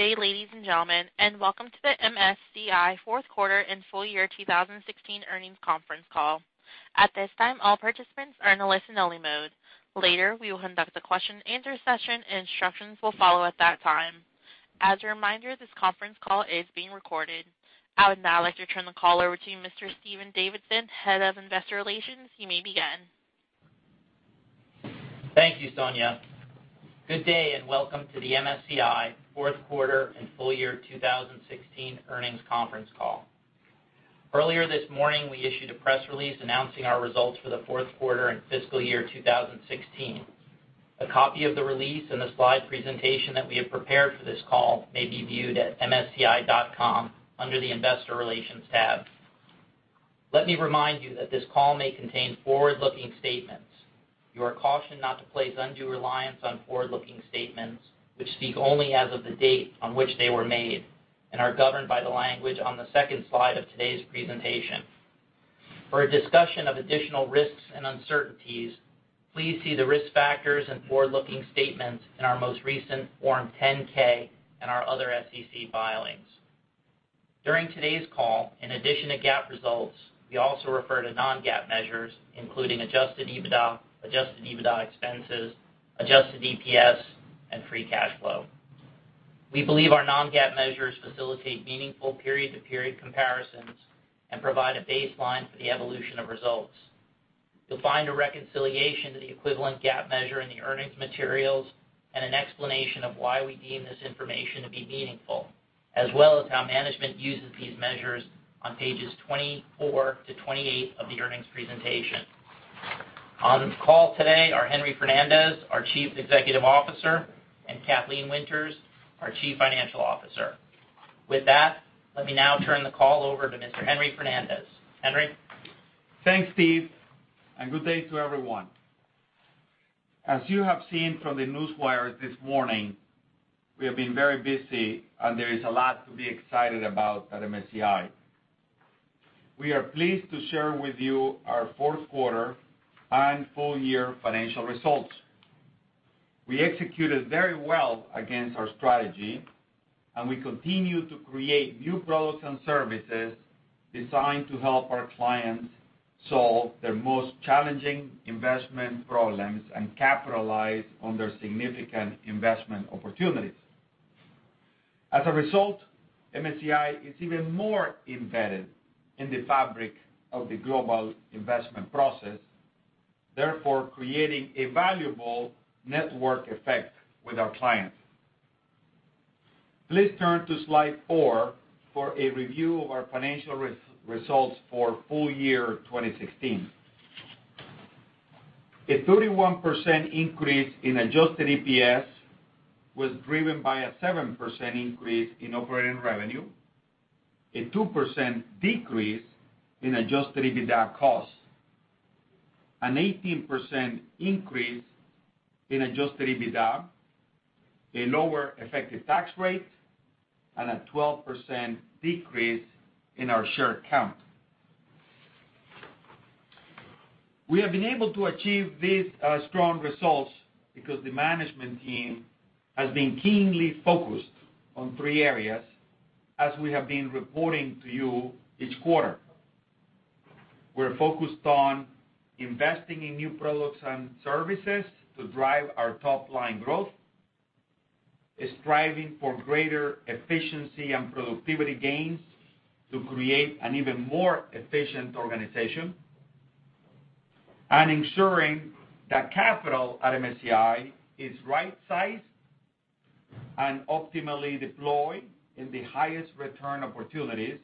Good day, ladies and gentlemen, and welcome to the MSCI fourth quarter and full year 2016 earnings conference call. At this time, all participants are in a listen only mode. Later, we will conduct a question and answer session, and instructions will follow at that time. As a reminder, this conference call is being recorded. I would now like to turn the call over to Mr. Stephen Davidson, Head of Investor Relations. You may begin. Thank you, Sonia. Good day, and welcome to the MSCI fourth quarter and full year 2016 earnings conference call. Earlier this morning, we issued a press release announcing our results for the fourth quarter and fiscal year 2016. A copy of the release and the slide presentation that we have prepared for this call may be viewed at msci.com under the investor relations tab. Let me remind you that this call may contain forward-looking statements. You are cautioned not to place undue reliance on forward-looking statements, which speak only as of the date on which they were made and are governed by the language on the second slide of today's presentation. For a discussion of additional risks and uncertainties, please see the risk factors and forward-looking statements in our most recent Form 10-K and our other SEC filings. During today's call, in addition to GAAP results, we also refer to non-GAAP measures, including adjusted EBITDA, adjusted EBITDA expenses, adjusted EPS, and free cash flow. We believe our non-GAAP measures facilitate meaningful period-to-period comparisons and provide a baseline for the evolution of results. You'll find a reconciliation to the equivalent GAAP measure in the earnings materials and an explanation of why we deem this information to be meaningful, as well as how management uses these measures on pages 24 to 28 of the earnings presentation. On call today are Henry Fernandez, our Chief Executive Officer, and Kathleen Winters, our Chief Financial Officer. With that, let me now turn the call over to Mr. Henry Fernandez. Henry? Thanks, Steve, and good day to everyone. As you have seen from the newswire this morning, we have been very busy, and there is a lot to be excited about at MSCI. We are pleased to share with you our fourth quarter and full year financial results. We executed very well against our strategy, and we continue to create new products and services designed to help our clients solve their most challenging investment problems and capitalize on their significant investment opportunities. As a result, MSCI is even more embedded in the fabric of the global investment process, therefore creating a valuable network effect with our clients. Please turn to slide four for a review of our financial results for full year 2016. A 31% increase in adjusted EPS was driven by a 7% increase in operating revenue, a 2% decrease in adjusted EBITDA costs, an 18% increase in adjusted EBITDA, a lower effective tax rate, and a 12% decrease in our share count. We have been able to achieve these strong results because the management team has been keenly focused on three areas as we have been reporting to you each quarter. We're focused on investing in new products and services to drive our top-line growth, striving for greater efficiency and productivity gains to create an even more efficient organization, and ensuring that capital at MSCI is right-sized and optimally deployed in the highest return opportunities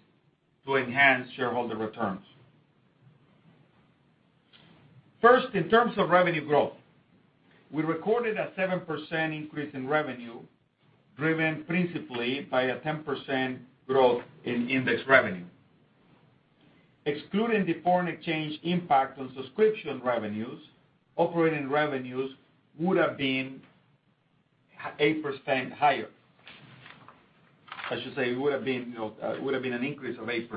to enhance shareholder returns. First, in terms of revenue growth, we recorded a 7% increase in revenue, driven principally by a 10% growth in index revenue. Excluding the foreign exchange impact on subscription revenues, operating revenues would have been 8% higher. I should say, it would've been an increase of 8%.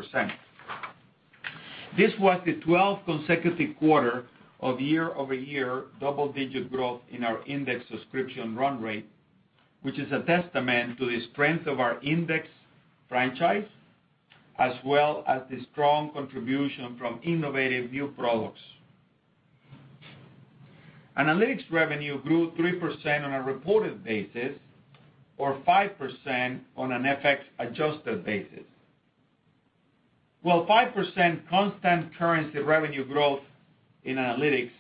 This was the 12th consecutive quarter of year-over-year double-digit growth in our index subscription run rate, which is a testament to the strength of our index franchise, as well as the strong contribution from innovative new products. Analytics revenue grew 3% on a reported basis or 5% on an FX-adjusted basis. While 5% constant currency revenue growth in Analytics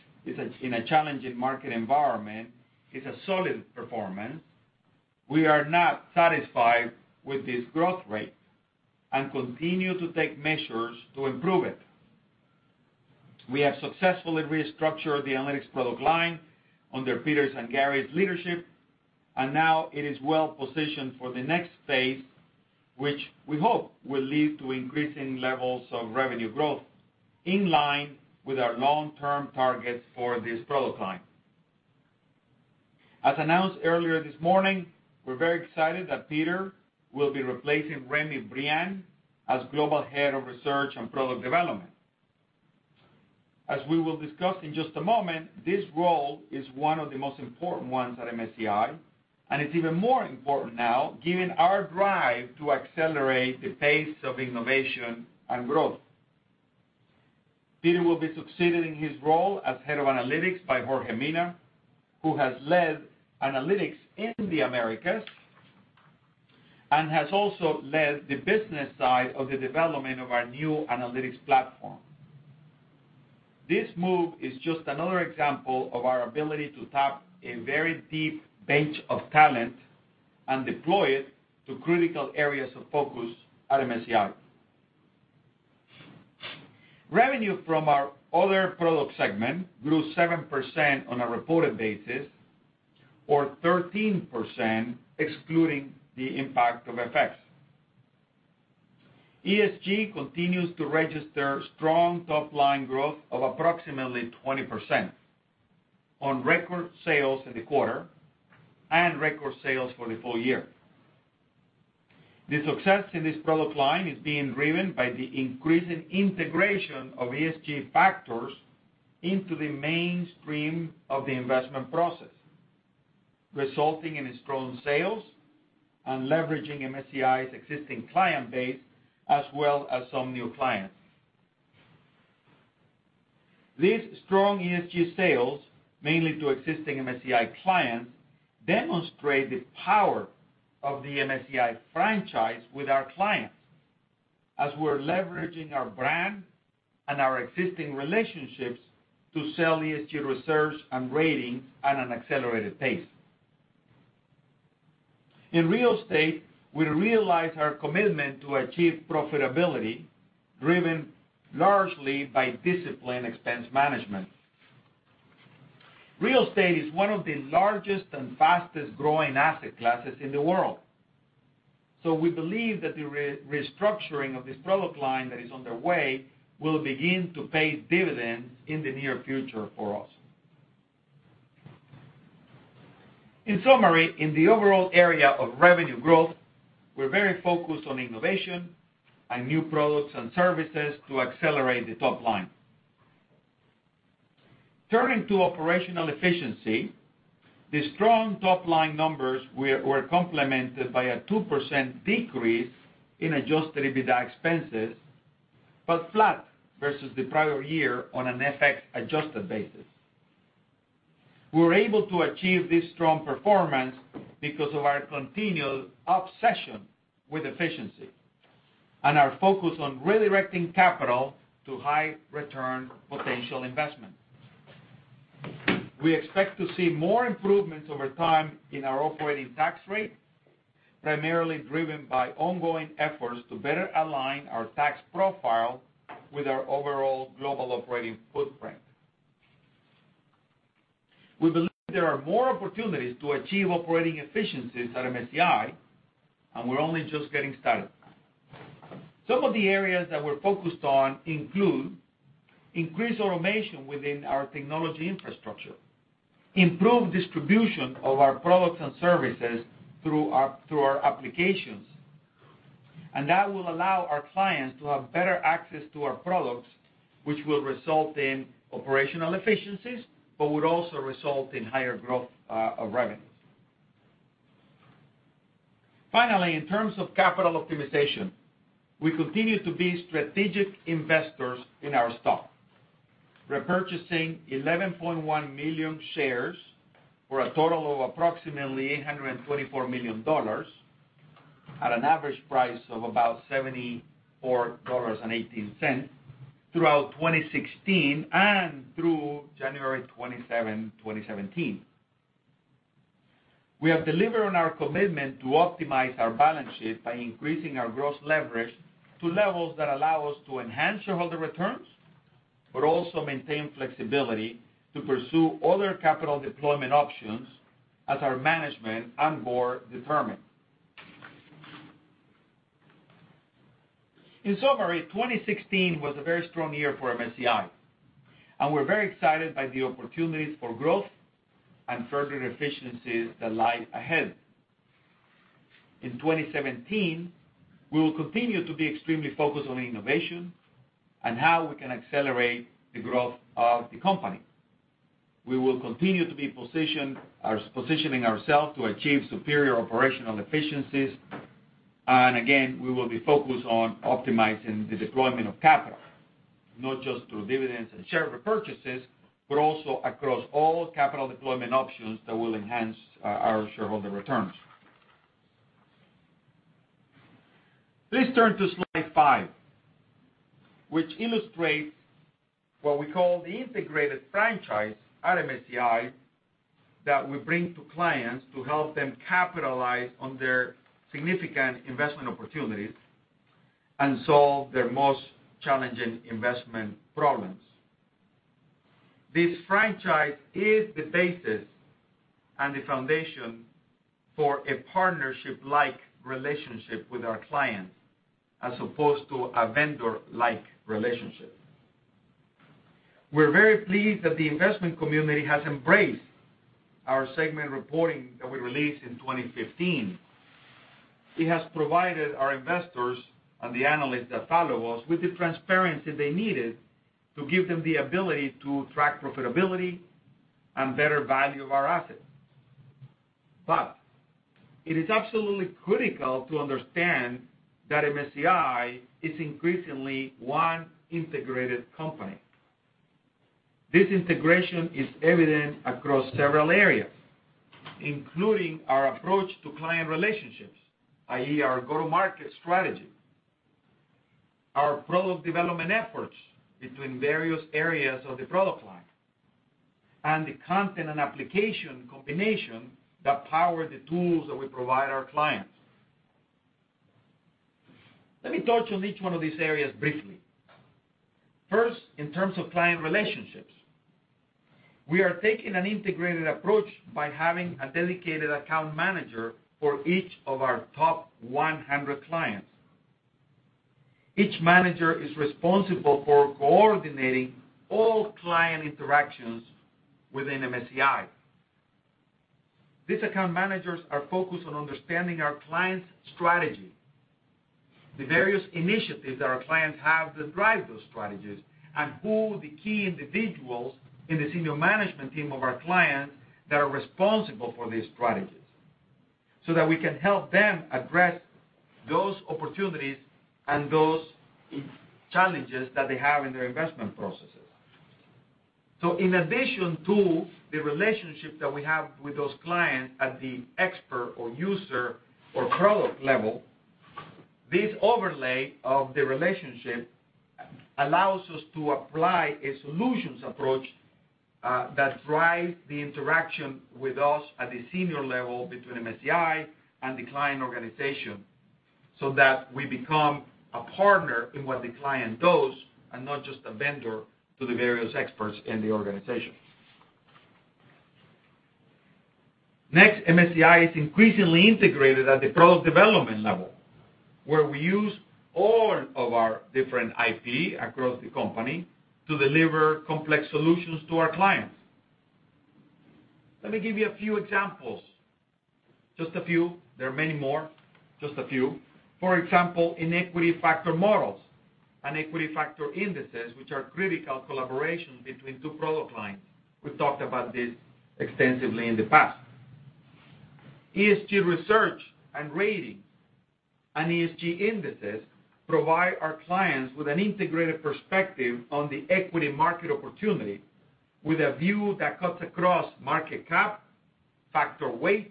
in a challenging market environment is a solid performance, we are not satisfied with this growth rate and continue to take measures to improve it. We have successfully restructured the analytics product line under Peter's and Gary's leadership. Now it is well-positioned for the next phase, which we hope will lead to increasing levels of revenue growth in line with our long-term targets for this product line. As announced earlier this morning, we're very excited that Peter will be replacing Remy Briand as Global Head of Research and Product Development. As we will discuss in just a moment, this role is one of the most important ones at MSCI. It's even more important now given our drive to accelerate the pace of innovation and growth. Peter will be succeeded in his role as Head of Analytics by Jorge Mina, who has led analytics in the Americas and has also led the business side of the development of our new analytics platform. This move is just another example of our ability to tap a very deep bench of talent and deploy it to critical areas of focus at MSCI. Revenue from our other product segment grew 7% on a reported basis or 13% excluding the impact of FX. ESG continues to register strong top-line growth of approximately 20% on record sales in the quarter and record sales for the full year. The success in this product line is being driven by the increasing integration of ESG factors into the mainstream of the investment process, resulting in strong sales and leveraging MSCI's existing client base, as well as some new clients. These strong ESG sales, mainly to existing MSCI clients, demonstrate the power of the MSCI franchise with our clients, as we're leveraging our brand and our existing relationships to sell ESG research and ratings at an accelerated pace. In real estate, we realize our commitment to achieve profitability, driven largely by disciplined expense management. Real estate is one of the largest and fastest-growing asset classes in the world. We believe that the restructuring of this product line that is underway will begin to pay dividends in the near future for us. In summary, in the overall area of revenue growth, we're very focused on innovation and new products and services to accelerate the top line. Turning to operational efficiency, the strong top-line numbers were complemented by a 2% decrease in adjusted EBITDA expenses, but flat versus the prior year on an FX adjusted basis. We were able to achieve this strong performance because of our continual obsession with efficiency and our focus on redirecting capital to high-return potential investment. We expect to see more improvements over time in our operating tax rate, primarily driven by ongoing efforts to better align our tax profile with our overall global operating footprint. We believe there are more opportunities to achieve operating efficiencies at MSCI, and we're only just getting started. Some of the areas that we're focused on include increased automation within our technology infrastructure, improved distribution of our products and services through our applications. That will allow our clients to have better access to our products, which will result in operational efficiencies, but would also result in higher growth of revenues. Finally, in terms of capital optimization, we continue to be strategic investors in our stock, repurchasing 11.1 million shares for a total of approximately $824 million at an average price of about $74.18 throughout 2016 and through January 27, 2017. We have delivered on our commitment to optimize our balance sheet by increasing our gross leverage to levels that allow us to enhance shareholder returns, but also maintain flexibility to pursue other capital deployment options as our management and board determine. In summary, 2016 was a very strong year for MSCI, and we're very excited by the opportunities for growth and further efficiencies that lie ahead. In 2017, we will continue to be extremely focused on innovation and how we can accelerate the growth of the company. We will continue to be positioning ourselves to achieve superior operational efficiencies. Again, we will be focused on optimizing the deployment of capital, not just through dividends and share repurchases, but also across all capital deployment options that will enhance our shareholder returns. Please turn to slide five, which illustrates what we call the integrated franchise at MSCI that we bring to clients to help them capitalize on their significant investment opportunities and solve their most challenging investment problems. This franchise is the basis and the foundation for a partnership-like relationship with our clients as opposed to a vendor-like relationship. We're very pleased that the investment community has embraced our segment reporting that we released in 2015. It has provided our investors and the analysts that follow us with the transparency they needed to give them the ability to track profitability and better value of our assets. It is absolutely critical to understand that MSCI is increasingly one integrated company. This integration is evident across several areas, including our approach to client relationships, i.e., our go-to-market strategy, our product development efforts between various areas of the product line, and the content and application combination that power the tools that we provide our clients. Let me touch on each one of these areas briefly. First, in terms of client relationships, we are taking an integrated approach by having a dedicated account manager for each of our top 100 clients. Each manager is responsible for coordinating all client interactions within MSCI. These account managers are focused on understanding our clients' strategy, the various initiatives that our clients have that drive those strategies, and who the key individuals in the senior management team of our clients that are responsible for these strategies, so that we can help them address those opportunities and those challenges that they have in their investment processes. In addition to the relationship that we have with those clients at the expert or user or product level, this overlay of the relationship allows us to apply a solutions approach that drives the interaction with us at the senior level between MSCI and the client organization, so that we become a partner in what the client does and not just a vendor to the various experts in the organization. Next, MSCI is increasingly integrated at the product development level, where we use all of our different IP across the company to deliver complex solutions to our clients. Let me give you a few examples. Just a few. There are many more. Just a few. For example, in equity factor models and equity factor indices, which are critical collaborations between two product lines. We've talked about this extensively in the past. ESG research and ratings, ESG indices provide our clients with an integrated perspective on the equity market opportunity with a view that cuts across market cap, factor weights,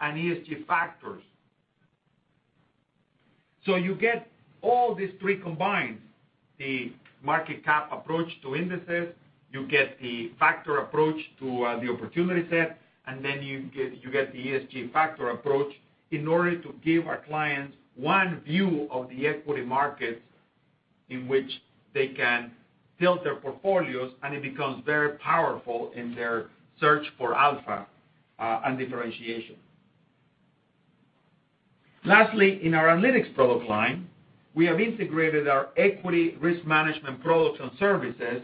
and ESG factors. You get all these three combined, the market cap approach to indices, you get the factor approach to the opportunity set, and then you get the ESG factor approach in order to give our clients one view of the equity market in which they can build their portfolios, and it becomes very powerful in their search for alpha and differentiation. Lastly, in our analytics product line, we have integrated our equity risk management products and services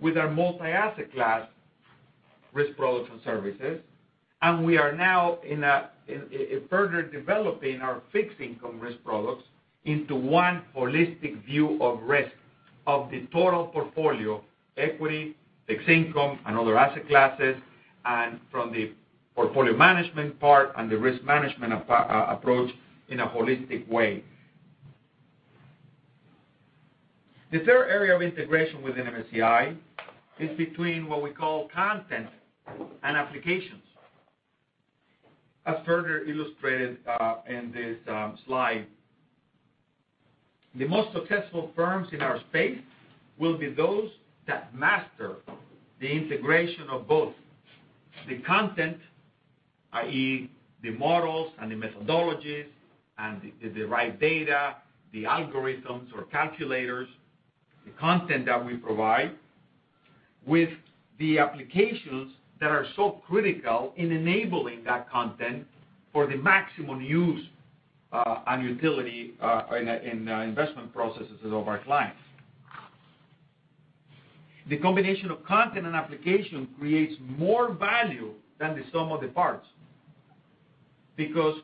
with our multi-asset class risk products and services, we are now further developing our fixed income risk products into one holistic view of risk of the total portfolio, equity, fixed income, and other asset classes, from the portfolio management part and the risk management approach in a holistic way. The third area of integration within MSCI is between what we call content and applications, as further illustrated in this slide. The most successful firms in our space will be those that master the integration of both the content, i.e., the models and the methodologies and the right data, the algorithms or calculators, the content that we provide, with the applications that are so critical in enabling that content for the maximum use and utility in the investment processes of our clients. The combination of content and application creates more value than the sum of the parts because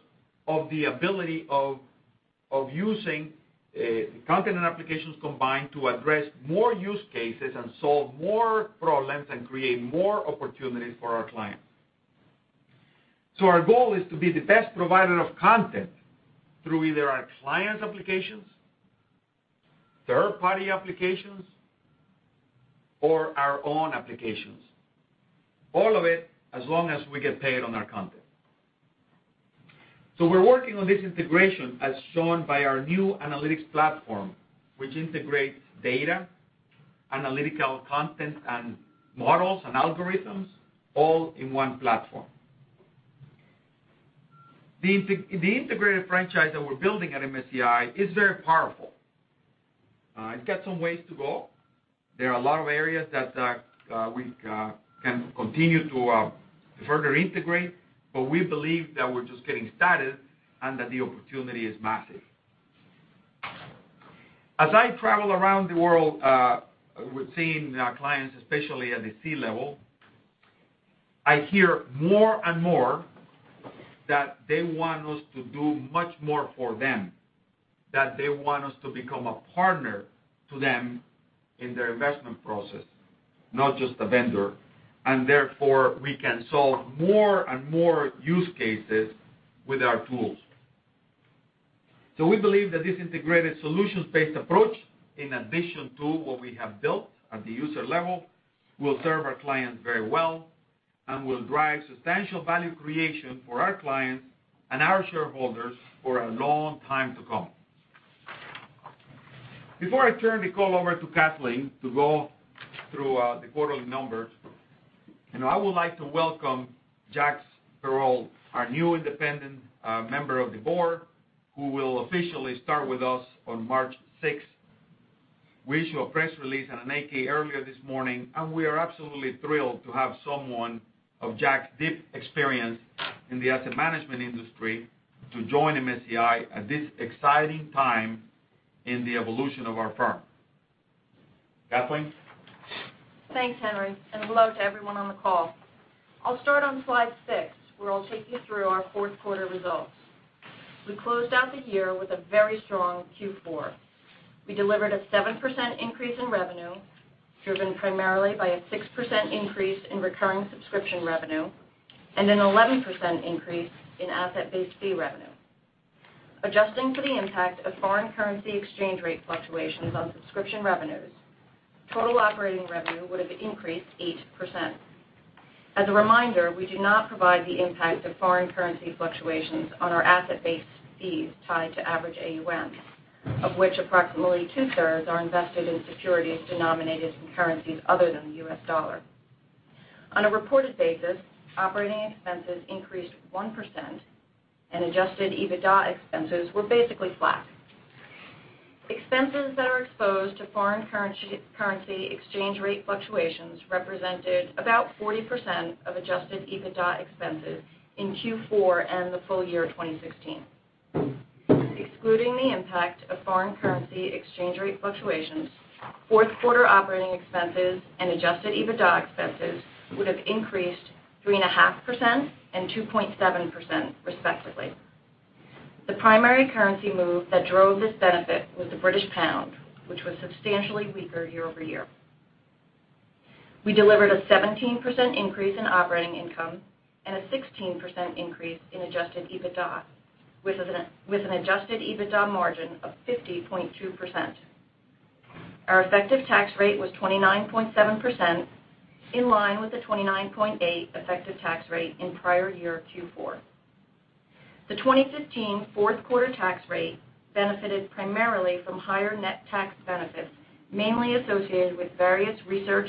of the ability of using content and applications combined to address more use cases and solve more problems and create more opportunities for our clients. Our goal is to be the best provider of content through either our clients' applications, third-party applications, or our own applications. All of it, as long as we get paid on our content. We're working on this integration as shown by our new analytics platform, which integrates data, analytical content, and models and algorithms all in one platform. The integrated franchise that we're building at MSCI is very powerful. It's got some ways to go. There are a lot of areas that we can continue to further integrate, we believe that we're just getting started and that the opportunity is massive. As I travel around the world with seeing our clients, especially at the C-level, I hear more and more that they want us to do much more for them, that they want us to become a partner to them in their investment process, not just a vendor, and therefore we can solve more and more use cases with our tools. We believe that this integrated solutions-based approach, in addition to what we have built at the user level, will serve our clients very well and will drive substantial value creation for our clients and our shareholders for a long time to come. Before I turn the call over to Kathleen to go through the quarterly numbers, I would like to welcome Jacques Perold, our new independent member of the board, who will officially start with us on March 6th. We issued a press release and an 8-K earlier this morning, and we are absolutely thrilled to have someone of Jacques' deep experience in the asset management industry to join MSCI at this exciting time in the evolution of our firm. Kathleen? Thanks, Henry, and hello to everyone on the call. I'll start on slide six, where I'll take you through our fourth quarter results. We closed out the year with a very strong Q4. We delivered a 7% increase in revenue, driven primarily by a 6% increase in recurring subscription revenue and an 11% increase in asset-based fee revenue. Adjusting for the impact of foreign currency exchange rate fluctuations on subscription revenues, total operating revenue would have increased 8%. As a reminder, we do not provide the impact of foreign currency fluctuations on our asset-based fees tied to average AUM, of which approximately two-thirds are invested in securities denominated in currencies other than the U.S. dollar. On a reported basis, operating expenses increased 1%, and adjusted EBITDA expenses were basically flat. Expenses that are exposed to foreign currency exchange rate fluctuations represented about 40% of adjusted EBITDA expenses in Q4 and the full year 2016. Excluding the impact of foreign currency exchange rate fluctuations, fourth quarter operating expenses and adjusted EBITDA expenses would have increased 3.5% and 2.7%, respectively. The primary currency move that drove this benefit was the British pound, which was substantially weaker year-over-year. We delivered a 17% increase in operating income and a 16% increase in adjusted EBITDA, with an adjusted EBITDA margin of 50.2%. Our effective tax rate was 29.7%, in line with the 29.8% effective tax rate in prior year Q4. The 2015 fourth quarter tax rate benefited primarily from higher net tax benefits, mainly associated with various research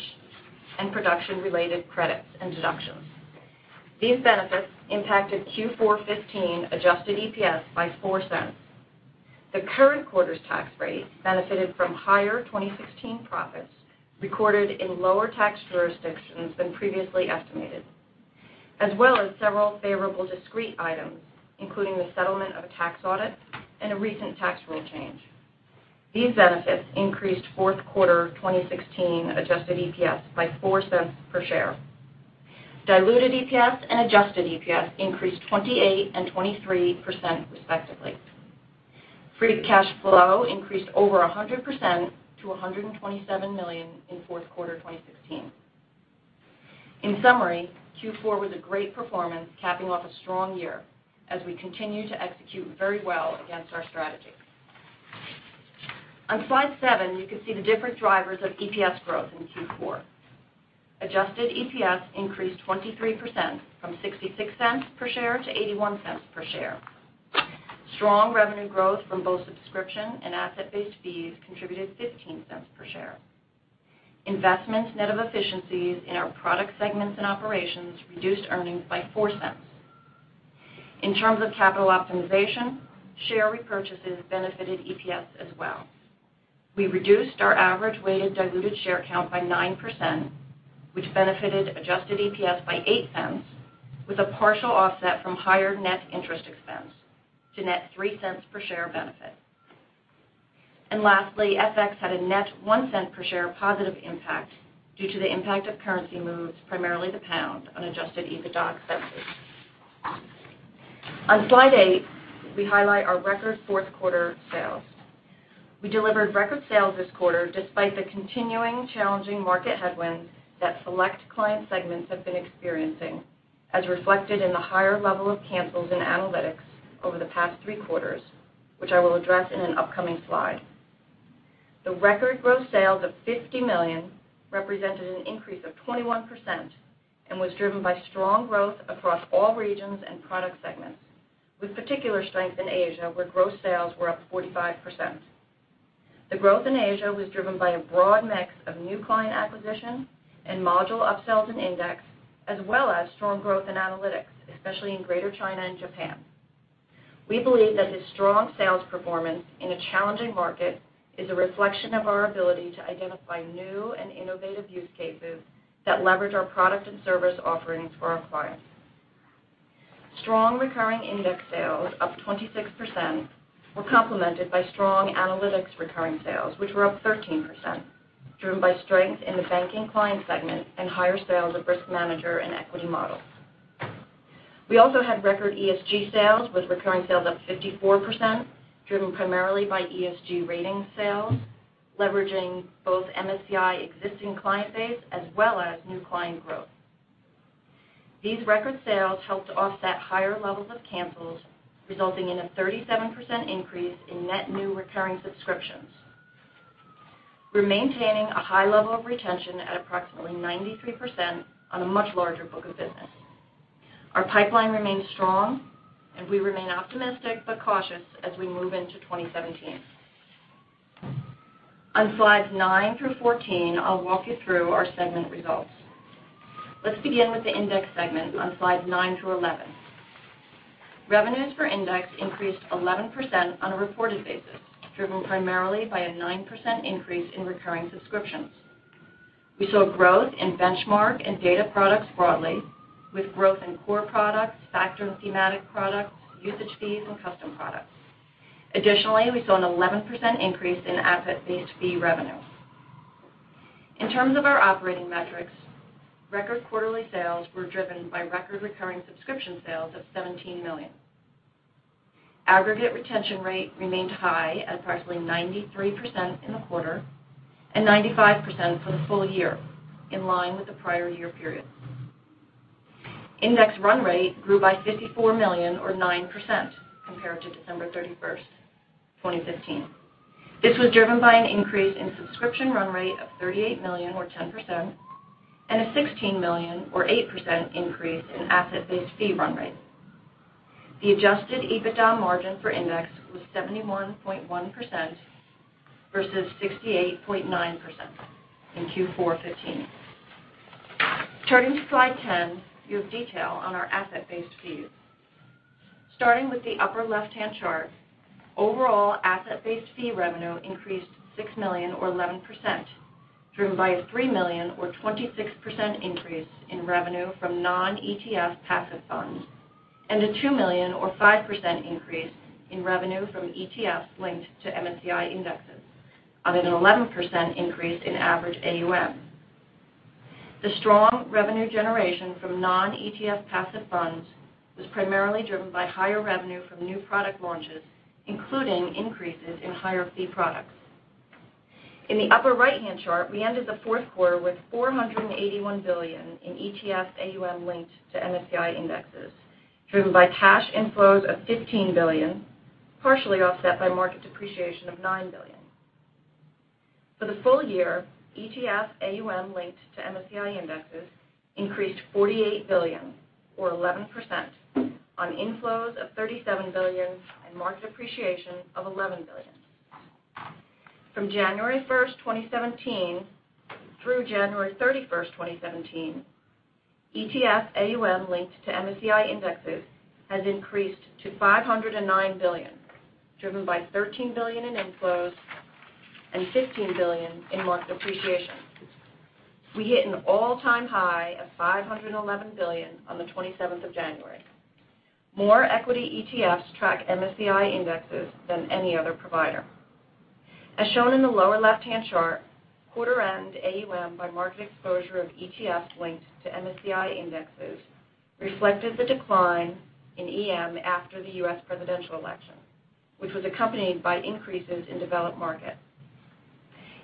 and production-related credits and deductions. These benefits impacted Q4 2015 adjusted EPS by $0.04. The current quarter's tax rate benefited from higher 2016 profits recorded in lower tax jurisdictions than previously estimated, as well as several favorable discrete items, including the settlement of a tax audit and a recent tax rule change. These benefits increased fourth quarter 2016 adjusted EPS by $0.04 per share. Diluted EPS and adjusted EPS increased 28% and 23%, respectively. Free cash flow increased over 100% to $127 million in fourth quarter 2016. In summary, Q4 was a great performance, capping off a strong year as we continue to execute very well against our strategy. On slide seven, you can see the different drivers of EPS growth in Q4. Adjusted EPS increased 23%, from $0.66 per share to $0.81 per share. Strong revenue growth from both subscription and asset-based fees contributed $0.15 per share. Investments net of efficiencies in our product segments and operations reduced earnings by $0.04. In terms of capital optimization, share repurchases benefited EPS as well. We reduced our average weighted diluted share count by 9%, which benefited adjusted EPS by $0.08, with a partial offset from higher net interest expense to net $0.03 per share benefit. Lastly, FX had a net $0.01 per share positive impact due to the impact of currency moves, primarily the pound, on adjusted EBITDA expenses. On slide eight, we highlight our record fourth quarter sales. We delivered record sales this quarter despite the continuing challenging market headwinds that select client segments have been experiencing, as reflected in the higher level of cancels in analytics over the past three quarters, which I will address in an upcoming slide. The record gross sales of $50 million represented an increase of 21% and was driven by strong growth across all regions and product segments, with particular strength in Asia, where gross sales were up 45%. The growth in Asia was driven by a broad mix of new client acquisition and module upsells in Index, as well as strong growth in analytics, especially in Greater China and Japan. We believe that this strong sales performance in a challenging market is a reflection of our ability to identify new and innovative use cases that leverage our product and service offerings for our clients. Strong recurring Index sales up 26% were complemented by strong analytics recurring sales, which were up 13%, driven by strength in the banking client segment and higher sales of RiskManager and Equity Models. We also had record ESG sales, with recurring sales up 54%, driven primarily by ESG ratings sales, leveraging both MSCI existing client base as well as new client growth. These record sales helped to offset higher levels of cancels, resulting in a 37% increase in net new recurring subscriptions. We're maintaining a high level of retention at approximately 93% on a much larger book of business. Our pipeline remains strong, and we remain optimistic but cautious as we move into 2017. On slides nine through 14, I'll walk you through our segment results. Let's begin with the Index segment on slides nine through 11. Revenues for Index increased 11% on a reported basis, driven primarily by a 9% increase in recurring subscriptions. We saw growth in benchmark and data products broadly, with growth in core products, factor and thematic products, usage fees, and custom products. We saw an 11% increase in asset-based fee revenue. In terms of our operating metrics, record quarterly sales were driven by record recurring subscription sales of $17 million. Aggregate retention rate remained high at approximately 93% in the quarter and 95% for the full year, in line with the prior year period. Index run rate grew by $54 million or 9% compared to December 31st, 2015. This was driven by an increase in subscription run rate of $38 million or 10% and a $16 million or 8% increase in asset-based fee run rate. The adjusted EBITDA margin for Index was 71.1% versus 68.9% in Q4 2015. Turning to slide 10, you have detail on our asset-based fees. Starting with the upper left-hand chart, overall asset-based fee revenue increased $6 million or 11%, driven by a $3 million or 26% increase in revenue from non-ETF passive funds and a $2 million or 5% increase in revenue from ETFs linked to MSCI indexes on an 11% increase in average AUM. The strong revenue generation from non-ETF passive funds was primarily driven by higher revenue from new product launches, including increases in higher fee products. In the upper right-hand chart, we ended the fourth quarter with $481 billion in ETF AUM linked to MSCI indexes, driven by cash inflows of $15 billion, partially offset by market depreciation of $9 billion. For the full year, ETF AUM linked to MSCI indexes increased $48 billion or 11% on inflows of $37 billion and market depreciation of $11 billion. From January 1st, 2017, through January 31st, 2017, ETF AUM linked to MSCI indexes has increased to $509 billion, driven by $13 billion in inflows and $15 billion in market depreciation. We hit an all-time high of $511 billion on the 27th of January. More equity ETFs track MSCI indexes than any other provider. As shown in the lower left-hand chart, quarter end AUM by market exposure of ETF linked to MSCI indexes reflected the decline in EM after the U.S. presidential election, which was accompanied by increases in developed markets.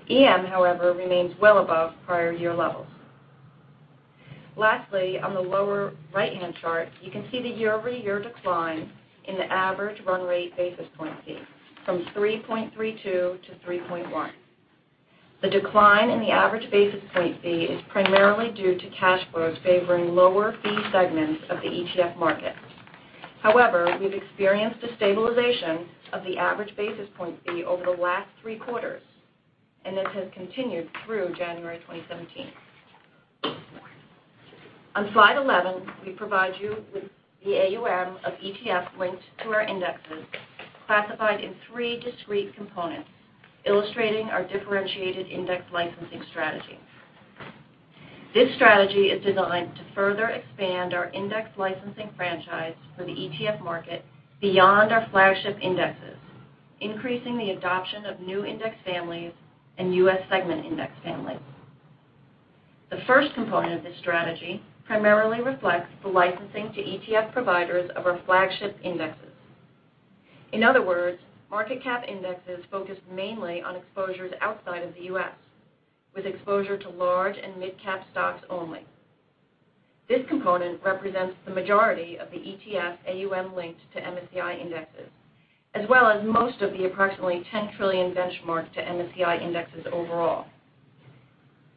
EM, however, remains well above prior year levels. On the lower right-hand chart, you can see the year-over-year decline in the average run rate basis point fee from 3.32 to 3.1. The decline in the average basis point fee is primarily due to cash flows favoring lower fee segments of the ETF market. We've experienced a stabilization of the average basis point fee over the last three quarters, and this has continued through January 2017. On slide 11, we provide you with the AUM of ETF linked to our indexes classified in three discrete components, illustrating our differentiated index licensing strategy. This strategy is designed to further expand our index licensing franchise for the ETF market beyond our flagship indexes, increasing the adoption of new index families and U.S. segment index families. The first component of this strategy primarily reflects the licensing to ETF providers of our flagship indexes. In other words, market cap indexes focused mainly on exposures outside of the U.S. with exposure to large and mid-cap stocks only. This component represents the majority of the ETF AUM linked to MSCI indexes, as well as most of the approximately $10 trillion benchmarked to MSCI indexes overall.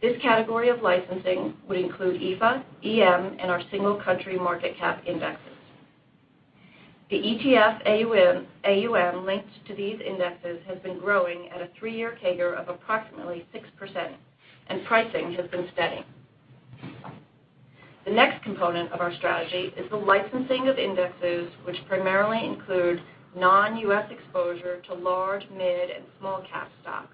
This category of licensing would include EAFE, EM, and our single country market cap indexes. The ETF AUM linked to these indexes has been growing at a three-year CAGR of approximately 6%, and pricing has been steady. The next component of our strategy is the licensing of indexes, which primarily include non-U.S. exposure to large, mid-, and small-cap stocks,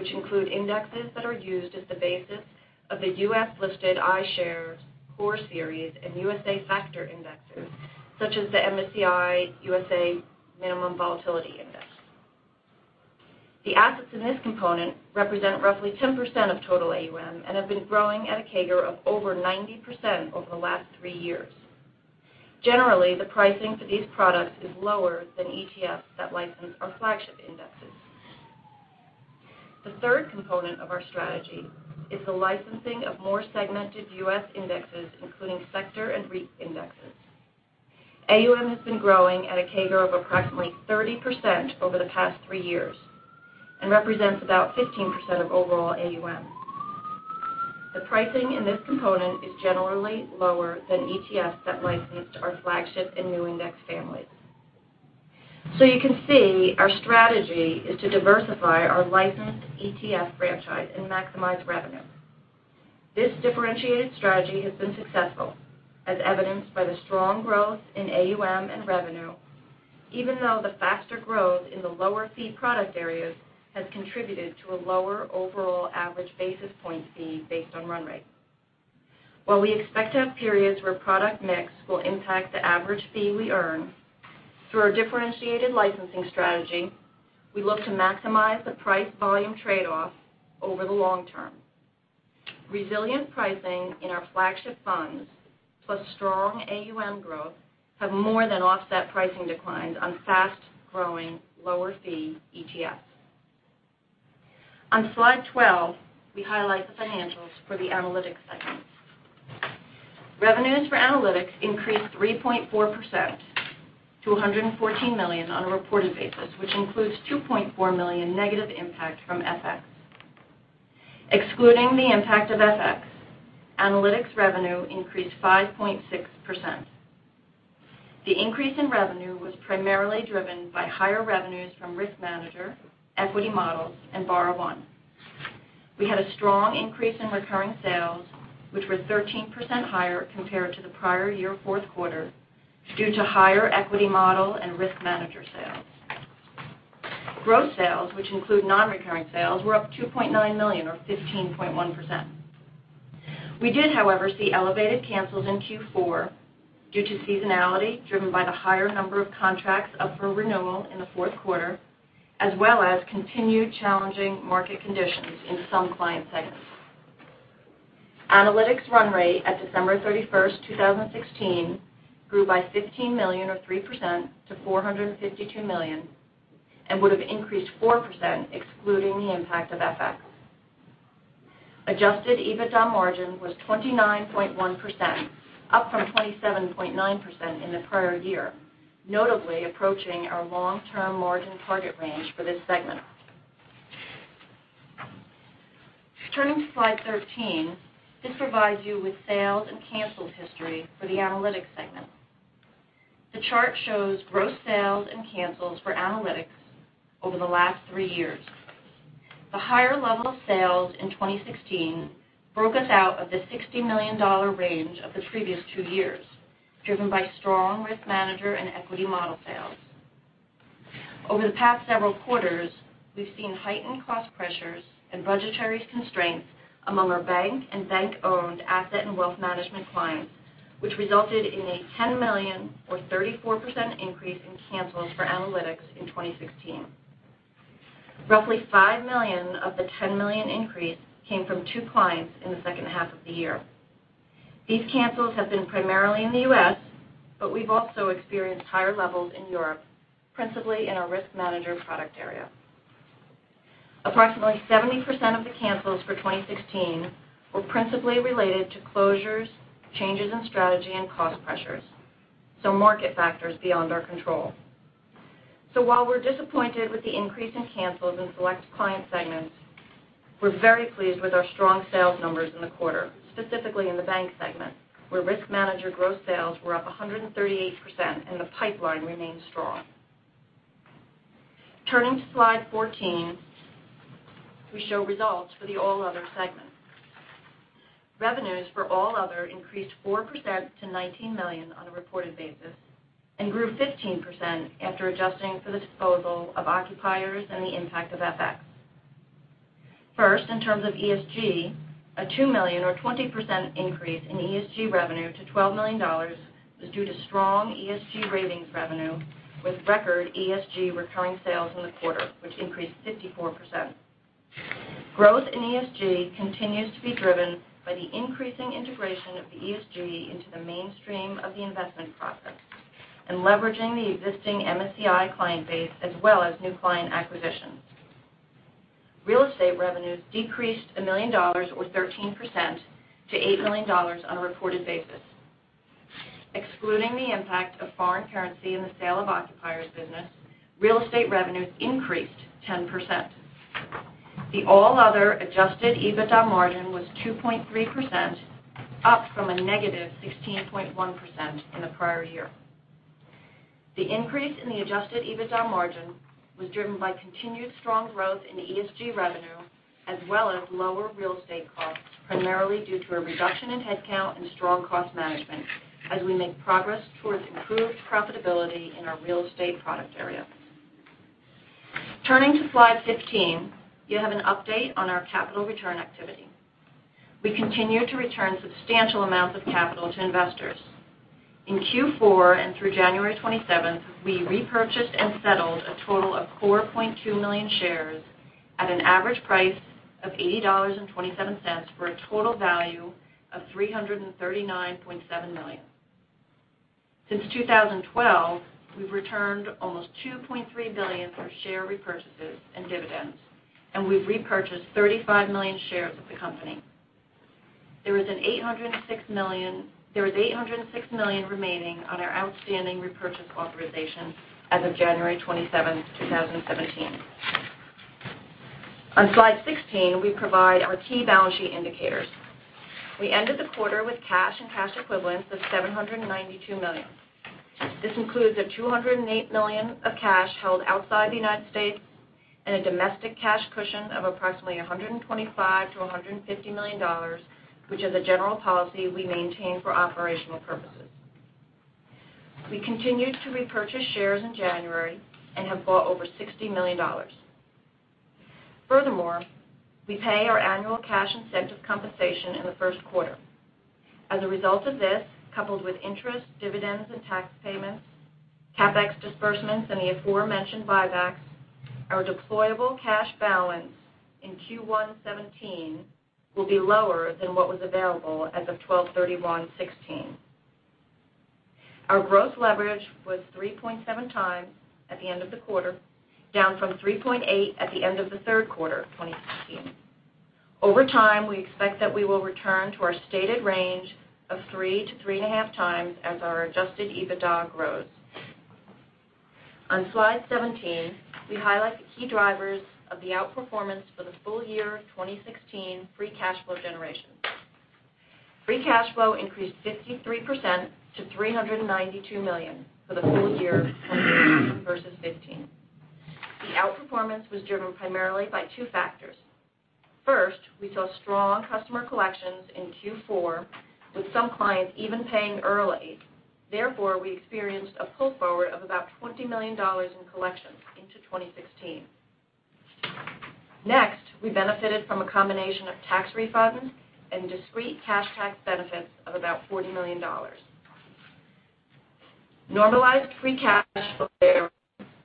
which include indexes that are used as the basis of the U.S.-listed iShares Core Series and USA Factor Indexes, such as the MSCI USA Minimum Volatility Index. The assets in this component represent roughly 10% of total AUM and have been growing at a CAGR of over 90% over the last three years. Generally, the pricing for these products is lower than ETFs that license our flagship indexes. The third component of our strategy is the licensing of more segmented U.S. indexes, including sector and REIT indexes. AUM has been growing at a CAGR of approximately 30% over the past three years and represents about 15% of overall AUM. The pricing in this component is generally lower than ETFs that licensed our flagship and new index families. You can see our strategy is to diversify our licensed ETF franchise and maximize revenue. This differentiated strategy has been successful, as evidenced by the strong growth in AUM and revenue, even though the faster growth in the lower fee product areas has contributed to a lower overall average basis point fee based on run rate. While we expect to have periods where product mix will impact the average fee we earn, through our differentiated licensing strategy, we look to maximize the price/volume trade-off over the long term. Resilient pricing in our flagship funds plus strong AUM growth have more than offset pricing declines on fast-growing, lower-fee ETFs. On slide 12, we highlight the financials for the Analytics segment. Revenues for Analytics increased 3.4% to $114 million on a reported basis, which includes $2.4 million negative impact from FX. Excluding the impact of FX, Analytics revenue increased 5.6%. The increase in revenue was primarily driven by higher revenues from RiskManager, Equity Models, and BarraOne. We had a strong increase in recurring sales, which were 13% higher compared to the prior year fourth quarter, due to higher Equity Model and RiskManager sales. Gross sales, which include non-recurring sales, were up $2.9 million, or 15.1%. We did, however, see elevated cancels in Q4 due to seasonality, driven by the higher number of contracts up for renewal in the fourth quarter, as well as continued challenging market conditions in some client segments. Analytics run rate at December 31st, 2016, grew by $15 million, or 3%, to $452 million and would have increased 4% excluding the impact of FX. Adjusted EBITDA margin was 29.1%, up from 27.9% in the prior year, notably approaching our long-term margin target range for this segment. Turning to slide 13, this provides you with sales and cancels history for the Analytics segment. The chart shows gross sales and cancels for Analytics over the last three years. The higher level of sales in 2016 broke us out of the $60 million range of the previous two years, driven by strong RiskManager and Equity Model sales. Over the past several quarters, we've seen heightened cost pressures and budgetary constraints among our bank and bank-owned asset and wealth management clients, which resulted in a $10 million, or 34%, increase in cancels for Analytics in 2016. Roughly $5 million of the $10 million increase came from two clients in the second half of the year. These cancels have been primarily in the U.S., but we've also experienced higher levels in Europe, principally in our Risk Manager product area. Approximately 70% of the cancels for 2016 were principally related to closures, changes in strategy, and cost pressures, market factors beyond our control. While we're disappointed with the increase in cancels in select client segments, we're very pleased with our strong sales numbers in the quarter, specifically in the bank segment, where Risk Manager gross sales were up 138% and the pipeline remains strong. Turning to slide 14, we show results for the All Other segment. Revenues for All Other increased 4% to $19 million on a reported basis, and grew 15% after adjusting for the disposal of Occupiers and the impact of FX. First, in terms of ESG, a $2 million, or 20%, increase in ESG revenue to $12 million was due to strong ESG ratings revenue, with record ESG recurring sales in the quarter, which increased 54%. Growth in ESG continues to be driven by the increasing integration of ESG into the mainstream of the investment process and leveraging the existing MSCI client base, as well as new client acquisitions. Real Estate revenues decreased $1 million, or 13%, to $8 million on a reported basis. Excluding the impact of foreign currency and the sale of Occupiers business, Real Estate revenues increased 10%. The All Other adjusted EBITDA margin was 2.3%, up from a negative 16.1% in the prior year. The increase in the adjusted EBITDA margin was driven by continued strong growth in ESG revenue as well as lower real estate costs, primarily due to a reduction in headcount and strong cost management as we make progress towards improved profitability in our real estate product area. Turning to slide 15, you have an update on our capital return activity. We continue to return substantial amounts of capital to investors. In Q4 and through January 27th, we repurchased and settled a total of 4.2 million shares at an average price of $80.27, for a total value of $339.7 million. Since 2012, we've returned almost $2.3 billion through share repurchases and dividends, and we've repurchased 35 million shares of the company. There is $806 million remaining on our outstanding repurchase authorization as of January 27th, 2017. On slide 16, we provide our key balance sheet indicators. We ended the quarter with cash and cash equivalents of $792 million. This includes $208 million of cash held outside the U.S. and a domestic cash cushion of approximately $125 million-$150 million, which is a general policy we maintain for operational purposes. We continued to repurchase shares in January and have bought over $60 million. Furthermore, we pay our annual cash incentive compensation in the first quarter. As a result of this, coupled with interest, dividends, and tax payments, CapEx disbursements, and the aforementioned buybacks, our deployable cash balance in Q1 2017 will be lower than what was available as of 12/31/2016. Our gross leverage was 3.7 times at the end of the quarter, down from 3.8 times at the end of the third quarter of 2016. Over time, we expect that we will return to our stated range of three to three and a half times, as our adjusted EBITDA grows. On slide 17, we highlight the key drivers of the outperformance for the full year of 2016 free cash flow generation. Free cash flow increased 53% to $392 million for the full year 2016 versus 2015. The outperformance was driven primarily by two factors. First, we saw strong customer collections in Q4, with some clients even paying early. Therefore, we experienced a pull forward of about $20 million in collections into 2016. Next, we benefited from a combination of tax refunds and discrete cash tax benefits of about $40 million. Normalized free cash flow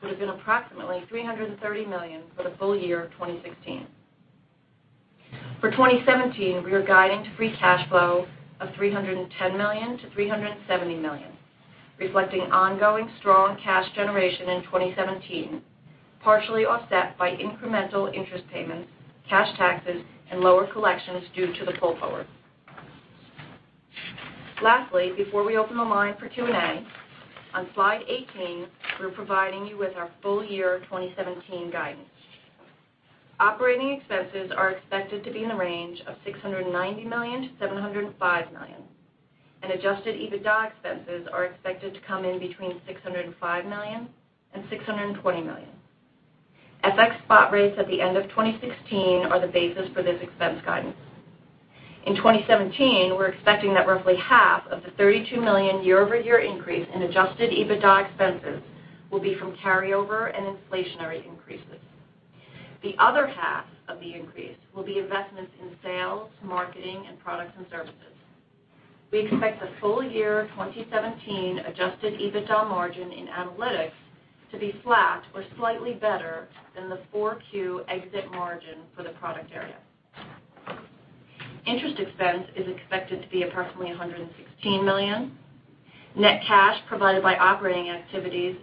would have been approximately $330 million for the full year of 2016. For 2017, we are guiding to free cash flow of $310 million-$370 million, reflecting ongoing strong cash generation in 2017, partially offset by incremental interest payments, cash taxes, and lower collections due to the pull forward. Lastly, before we open the line for Q&A, on slide 18, we're providing you with our full year 2017 guidance. Operating expenses are expected to be in the range of $690 million-$705 million, and adjusted EBITDA expenses are expected to come in between $605 million and $620 million. FX spot rates at the end of 2016 are the basis for this expense guidance. In 2017, we're expecting that roughly half of the $32 million year-over-year increase in adjusted EBITDA expenses will be from carry-over and inflationary increases. The other half of the increase will be investments in sales, marketing, and products and services. We expect the full year 2017 adjusted EBITDA margin in analytics to be flat or slightly better than the 4Q exit margin for the product area. Interest expense is expected to be approximately $116 million. Net cash provided by operating activities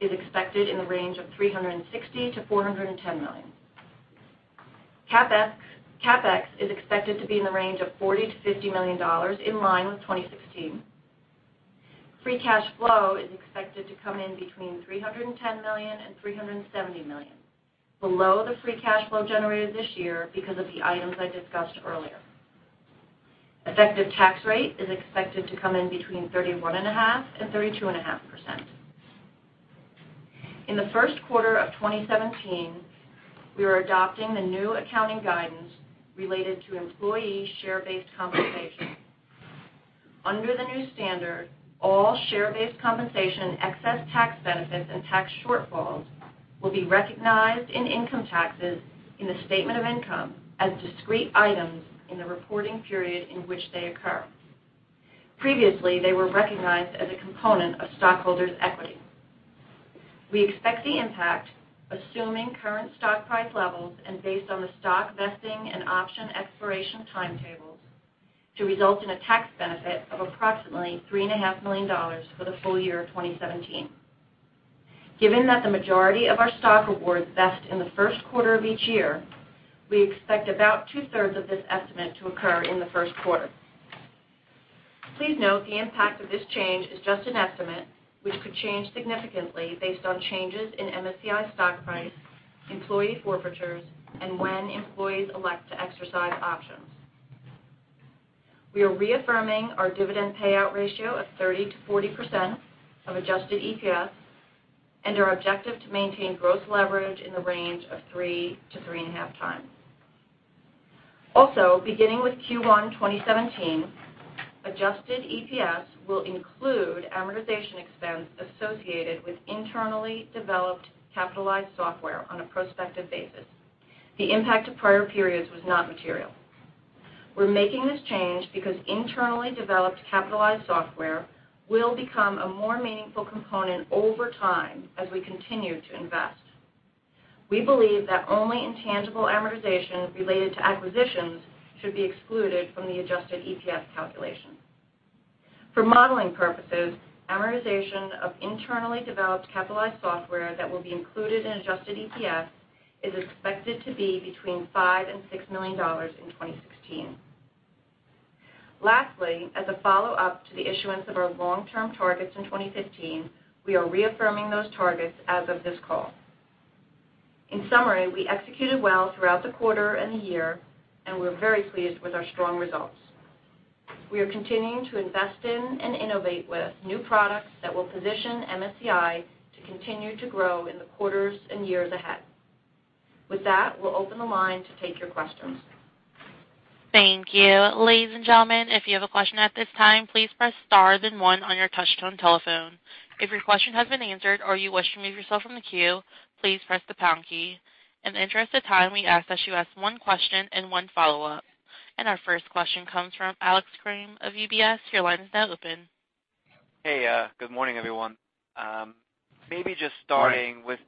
is expected in the range of $360 million-$410 million. CapEx is expected to be in the range of $40 million-$50 million, in line with 2016. Free cash flow is expected to come in between $310 million and $370 million, below the free cash flow generated this year because of the items I discussed earlier. Effective tax rate is expected to come in between 31.5% and 32.5%. In the first quarter of 2017, we are adopting the new accounting guidance related to employee share-based compensation. Under the new standard, all share-based compensation, excess tax benefits, and tax shortfalls will be recognized in income taxes in the statement of income as discrete items in the reporting period in which they occur. Previously, they were recognized as a component of stockholders' equity. We expect the impact, assuming current stock price levels and based on the stock vesting and option expiration timetables, to result in a tax benefit of approximately $3.5 million for the full year of 2017. Given that the majority of our stock awards vest in the first quarter of each year, we expect about two-thirds of this estimate to occur in the first quarter. Please note the impact of this change is just an estimate, which could change significantly based on changes in MSCI stock price, employee forfeitures, and when employees elect to exercise options. We are reaffirming our dividend payout ratio of 30%-40% of adjusted EPS, and our objective to maintain gross leverage in the range of three to three and a half times. Also, beginning with Q1 2017, adjusted EPS will include amortization expense associated with internally developed capitalized software on a prospective basis. The impact of prior periods was not material. We are making this change because internally developed capitalized software will become a more meaningful component over time as we continue to invest. We believe that only intangible amortization related to acquisitions should be excluded from the adjusted EPS calculation. For modeling purposes, amortization of internally developed capitalized software that will be included in adjusted EPS is expected to be between $5 million and $6 million in 2016. Lastly, as a follow-up to the issuance of our long-term targets in 2015, we are reaffirming those targets as of this call. In summary, we executed well throughout the quarter and the year, and we are very pleased with our strong results. We are continuing to invest in and innovate with new products that will position MSCI to continue to grow in the quarters and years ahead. With that, we will open the line to take your questions. Thank you. Ladies and gentlemen, if you have a question at this time, please press star then one on your touch-tone telephone. If your question has been answered or you wish to remove yourself from the queue, please press the pound key. In the interest of time, we ask that you ask one question and one follow-up. Our first question comes from Alex Kramm of UBS. Your line is now open. Hey. Good morning, everyone. Good morning. Maybe just starting with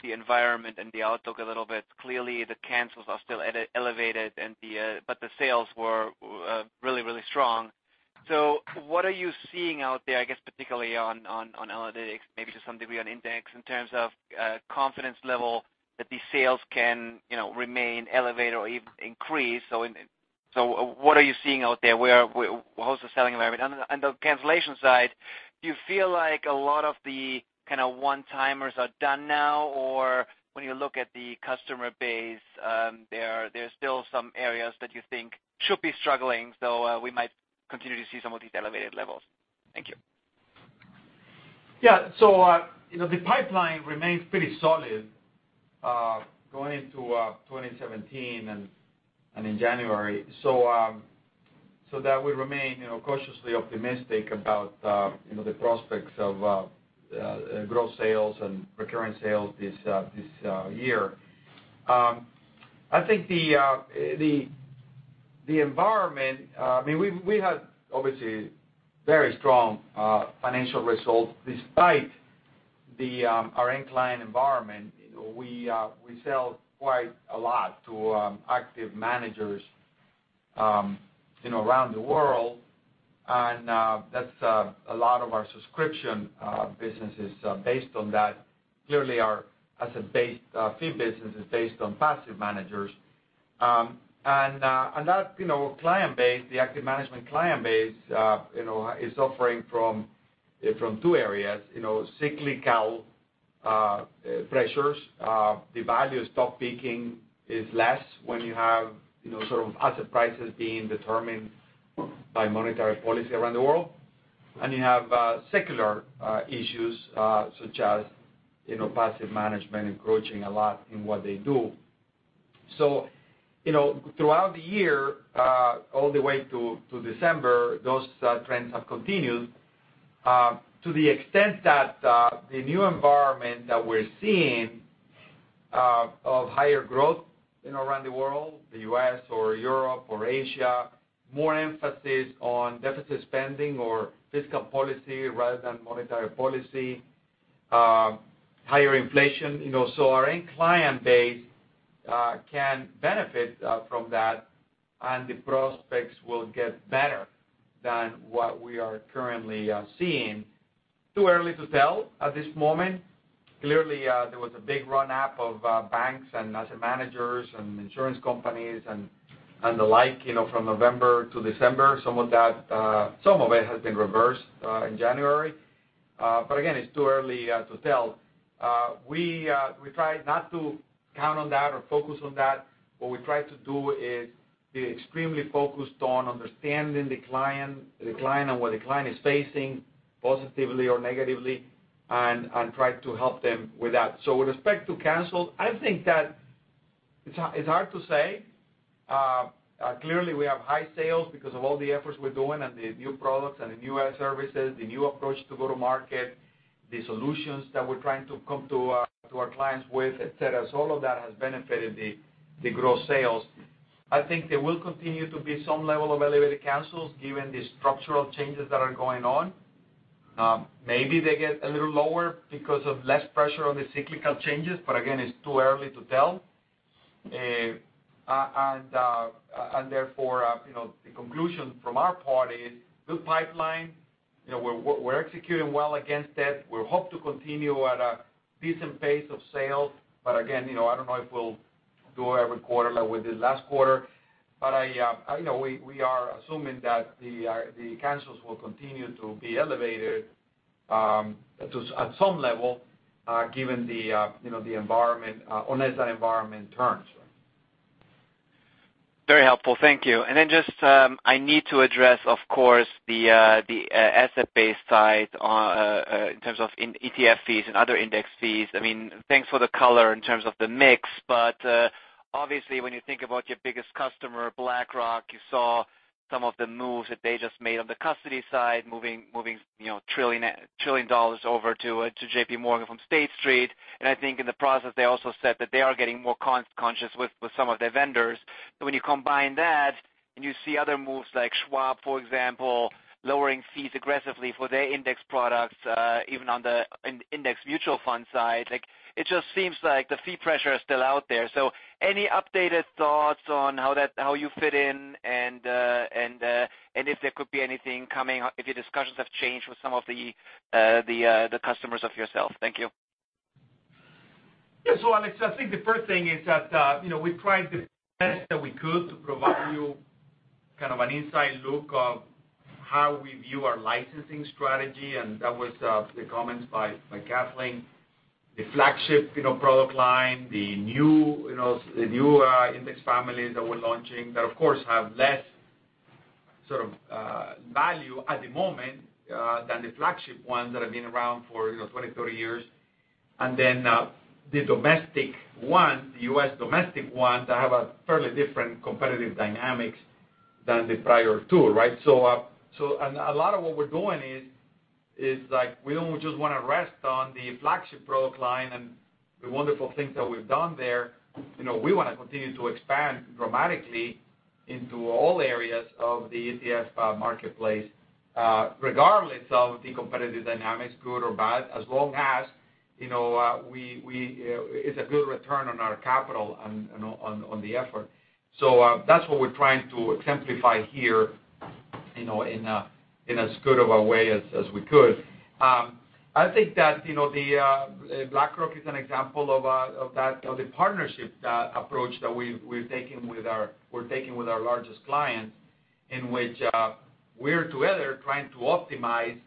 the environment and the outlook a little bit. Clearly, the cancels are still elevated, but the sales were really, really strong. What are you seeing out there, I guess particularly on analytics, maybe to some degree on index, in terms of confidence level that the sales can remain elevated or even increase? What are you seeing out there? How is the selling environment? On the cancellation side, do you feel like a lot of the one-timers are done now, or when you look at the customer base, there are still some areas that you think should be struggling, so we might continue to see some of these elevated levels? Thank you. Yeah. The pipeline remains pretty solid going into 2017 and in January. That we remain cautiously optimistic about the prospects of gross sales and recurring sales this year. I think the environment, we had obviously very strong financial results despite our end-client environment. We sell quite a lot to active managers around the world, and a lot of our subscription business is based on that. Clearly, our fee business is based on passive managers. That client base, the active management client base, is suffering from two areas, cyclical pressures. The value of stock peaking is less when you have asset prices being determined by monetary policy around the world. You have secular issues, such as passive management encroaching a lot in what they do. Throughout the year, all the way to December, those trends have continued to the extent that the new environment that we're seeing of higher growth around the world, the U.S. or Europe or Asia, more emphasis on deficit spending or fiscal policy rather than monetary policy, higher inflation. Our end client base can benefit from that, and the prospects will get better than what we are currently seeing. Too early to tell at this moment. Clearly, there was a big run-up of banks and asset managers and insurance companies and the like from November to December. Some of it has been reversed in January. Again, it's too early to tell. We try not to count on that or focus on that. What we try to do is be extremely focused on understanding the client and what the client is facing, positively or negatively, and try to help them with that. With respect to cancels, I think that it's hard to say. Clearly, we have high sales because of all the efforts we're doing and the new products and the new ad services, the new approach to go-to-market, the solutions that we're trying to come to our clients with, et cetera. All of that has benefited the gross sales. I think there will continue to be some level of elevated cancels given the structural changes that are going on. Maybe they get a little lower because of less pressure on the cyclical changes, again, it's too early to tell. Therefore, the conclusion from our part is good pipeline. We're executing well against that. We hope to continue at a decent pace of sales. Again, I don't know if we'll do every quarter like we did last quarter. We are assuming that the cancels will continue to be elevated at some level, given the environment, unless that environment turns. Very helpful. Thank you. Then just, I need to address, of course, the asset-based side in terms of ETF fees and other index fees. Thanks for the color in terms of the mix, obviously, when you think about your biggest customer, BlackRock, you saw some of the moves that they just made on the custody side, moving $1 trillion over to JPMorgan from State Street. I think in the process, they also said that they are getting more cost-conscious with some of their vendors. When you combine that and you see other moves like Schwab, for example, lowering fees aggressively for their index products, even on the index mutual fund side, it just seems like the fee pressure is still out there. Any updated thoughts on how you fit in and if there could be anything coming, if your discussions have changed with some of the customers of yourself? Thank you. Yeah. Alex Kramm, I think the first thing is that we tried the best that we could to provide you an inside look of how we view our licensing strategy, and that was the comments by Kathleen. The flagship product line, the new index families that we're launching that, of course, have less sort of value at the moment than the flagship ones that have been around for 20, 30 years. The domestic ones, the U.S. domestic ones, that have a fairly different competitive dynamics than the prior two, right? A lot of what we're doing is we don't just want to rest on the flagship product line and the wonderful things that we've done there. We want to continue to expand dramatically into all areas of the ETF marketplace, regardless of the competitive dynamics, good or bad, as long as it's a good return on our capital and on the effort. That's what we're trying to exemplify here in as good of a way as we could. I think that BlackRock is an example of the partnership approach that we're taking with our largest clients, in which we're together trying to optimize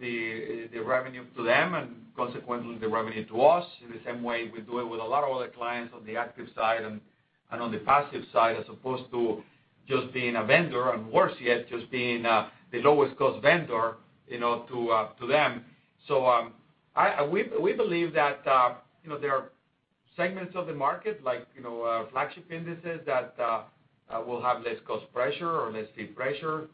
the revenue to them and consequently the revenue to us, in the same way we do it with a lot of other clients on the active side and on the passive side as opposed to just being a vendor, and worse yet, just being the lowest cost vendor to them. We believe that there are segments of the market, like flagship indices that will have less cost pressure or less fee pressure,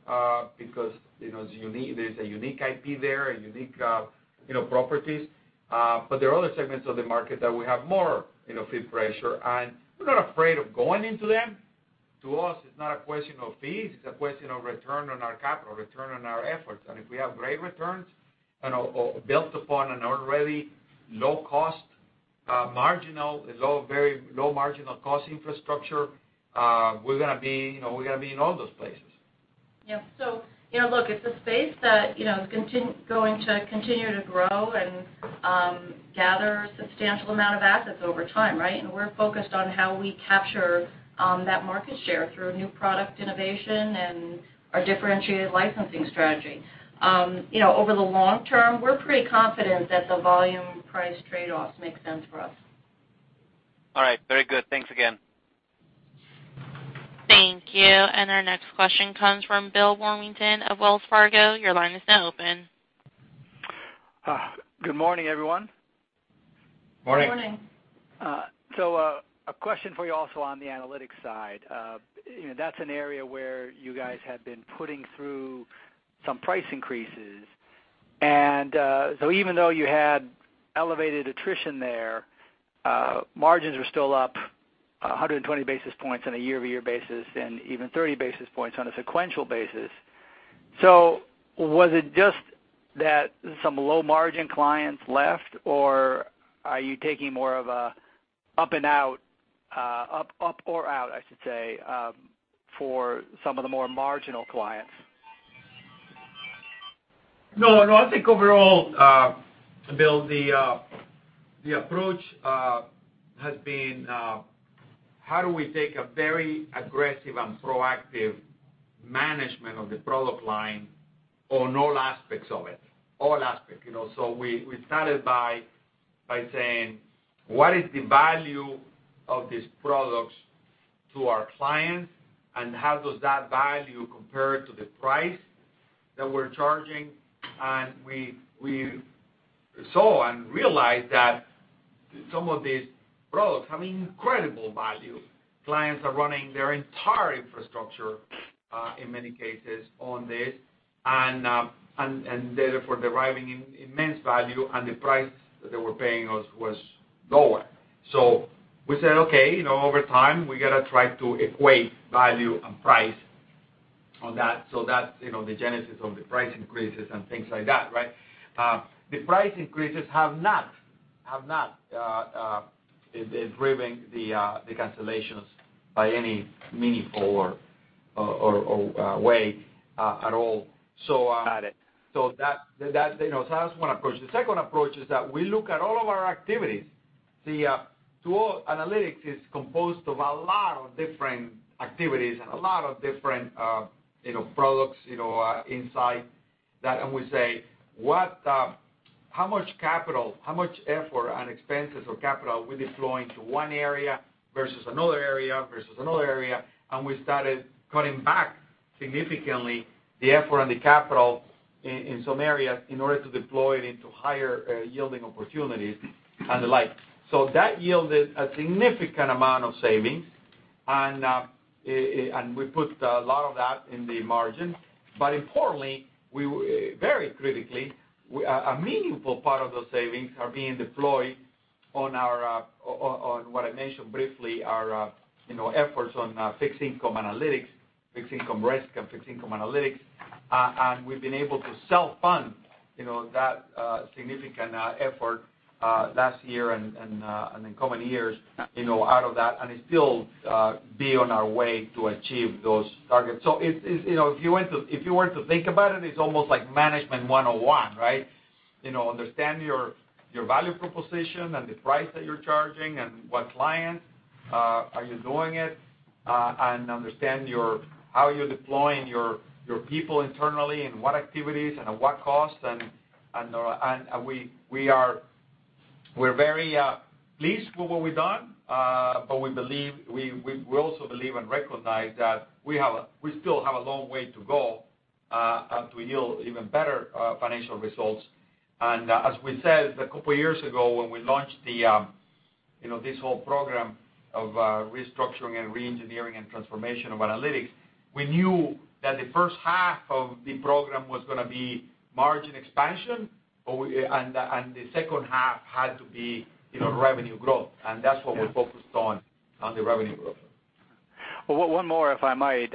because there's a unique IP there and unique properties. There are other segments of the market that we have more fee pressure, and we're not afraid of going into them. To us, it's not a question of fees, it's a question of return on our capital, return on our efforts. If we have great returns built upon an already low cost, marginal, it's all very low marginal cost infrastructure, we're going to be in all those places. Yeah. Look, it's a space that is going to continue to grow and gather a substantial amount of assets over time, right? We're focused on how we capture that market share through new product innovation and our differentiated licensing strategy. Over the long term, we're pretty confident that the volume price trade-offs make sense for us. All right. Very good. Thanks again. Thank you. Our next question comes from Bill Warmington of Wells Fargo. Your line is now open. Good morning, everyone. Morning. Good morning. A question for you also on the analytics side. That's an area where you guys have been putting through some price increases. Even though you had elevated attrition there, margins are still up 120 basis points on a year-over-year basis and even 30 basis points on a sequential basis. Was it just that some low-margin clients left, or are you taking more of a up and out, up or out, I should say, for some of the more marginal clients? No, I think overall, Bill, the approach has been, how do we take a very aggressive and proactive management of the product line on all aspects of it, all aspects? We started by saying, "What is the value of these products to our clients, and how does that value compare to the price that we're charging?" We saw and realized that some of these products have incredible value. Clients are running their entire infrastructure, in many cases, on this, and therefore deriving immense value, and the price that they were paying us was lower. We said, "Okay, over time, we got to try to equate value and price on that." That's the genesis of the price increases and things like that, right? The price increases have not driven the cancellations by any meaningful or way at all. Got it. That's one approach. The second approach is that we look at all of our activities. The Analytics is composed of a lot of different activities and a lot of different products inside that. We say, how much capital, how much effort and expenses or capital we deploy into one area versus another area? We started cutting back significantly the effort and the capital in some areas in order to deploy it into higher-yielding opportunities and the like. That yielded a significant amount of savings, and we put a lot of that in the margin. Importantly, very critically, a meaningful part of those savings are being deployed on what I mentioned briefly, our efforts on fixed income Analytics, fixed income risk, and fixed income Analytics. We've been able to self-fund that significant effort last year and in coming years out of that, and still be on our way to achieve those targets. If you were to think about it's almost like management 101, right? Understand your value proposition and the price that you're charging and what clients are you doing it, and understand how you're deploying your people internally and what activities and at what cost. We're very pleased with what we've done. We also believe and recognize that we still have a long way to go to yield even better financial results. As we said a couple of years ago, when we launched this whole program of restructuring and re-engineering and transformation of Analytics, we knew that the first half of the program was going to be margin expansion, and the second half had to be revenue growth. That's what we're focused on the revenue growth. Well, one more, if I might.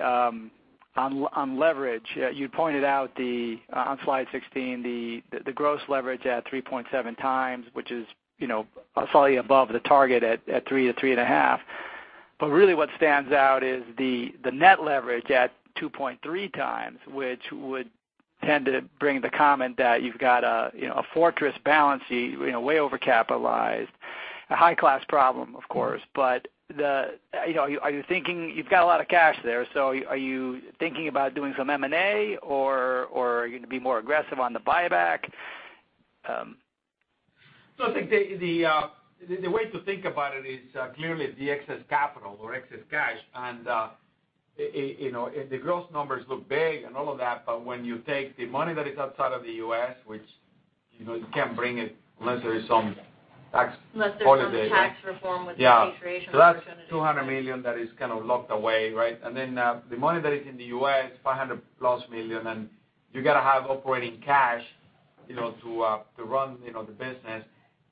On leverage, you pointed out on slide 16, the gross leverage at 3.7x, which is slightly above the target at 3 to 3.5. Really what stands out is the net leverage at 2.3x, which would tend to bring the comment that you've got a fortress balance sheet, way overcapitalized. A high-class problem, of course, you've got a lot of cash there, are you thinking about doing some M&A, or are you going to be more aggressive on the buyback? I think the way to think about it is clearly the excess capital or excess cash. The gross numbers look big and all of that, but when you take the money that is outside of the U.S., which you can't bring it unless there is some tax holiday. Unless there's some tax reform with repatriation. Yeah opportunities. That's $200 million that is kind of locked away, right? The money that is in the U.S., $500-plus million, and you've got to have operating cash to run the business.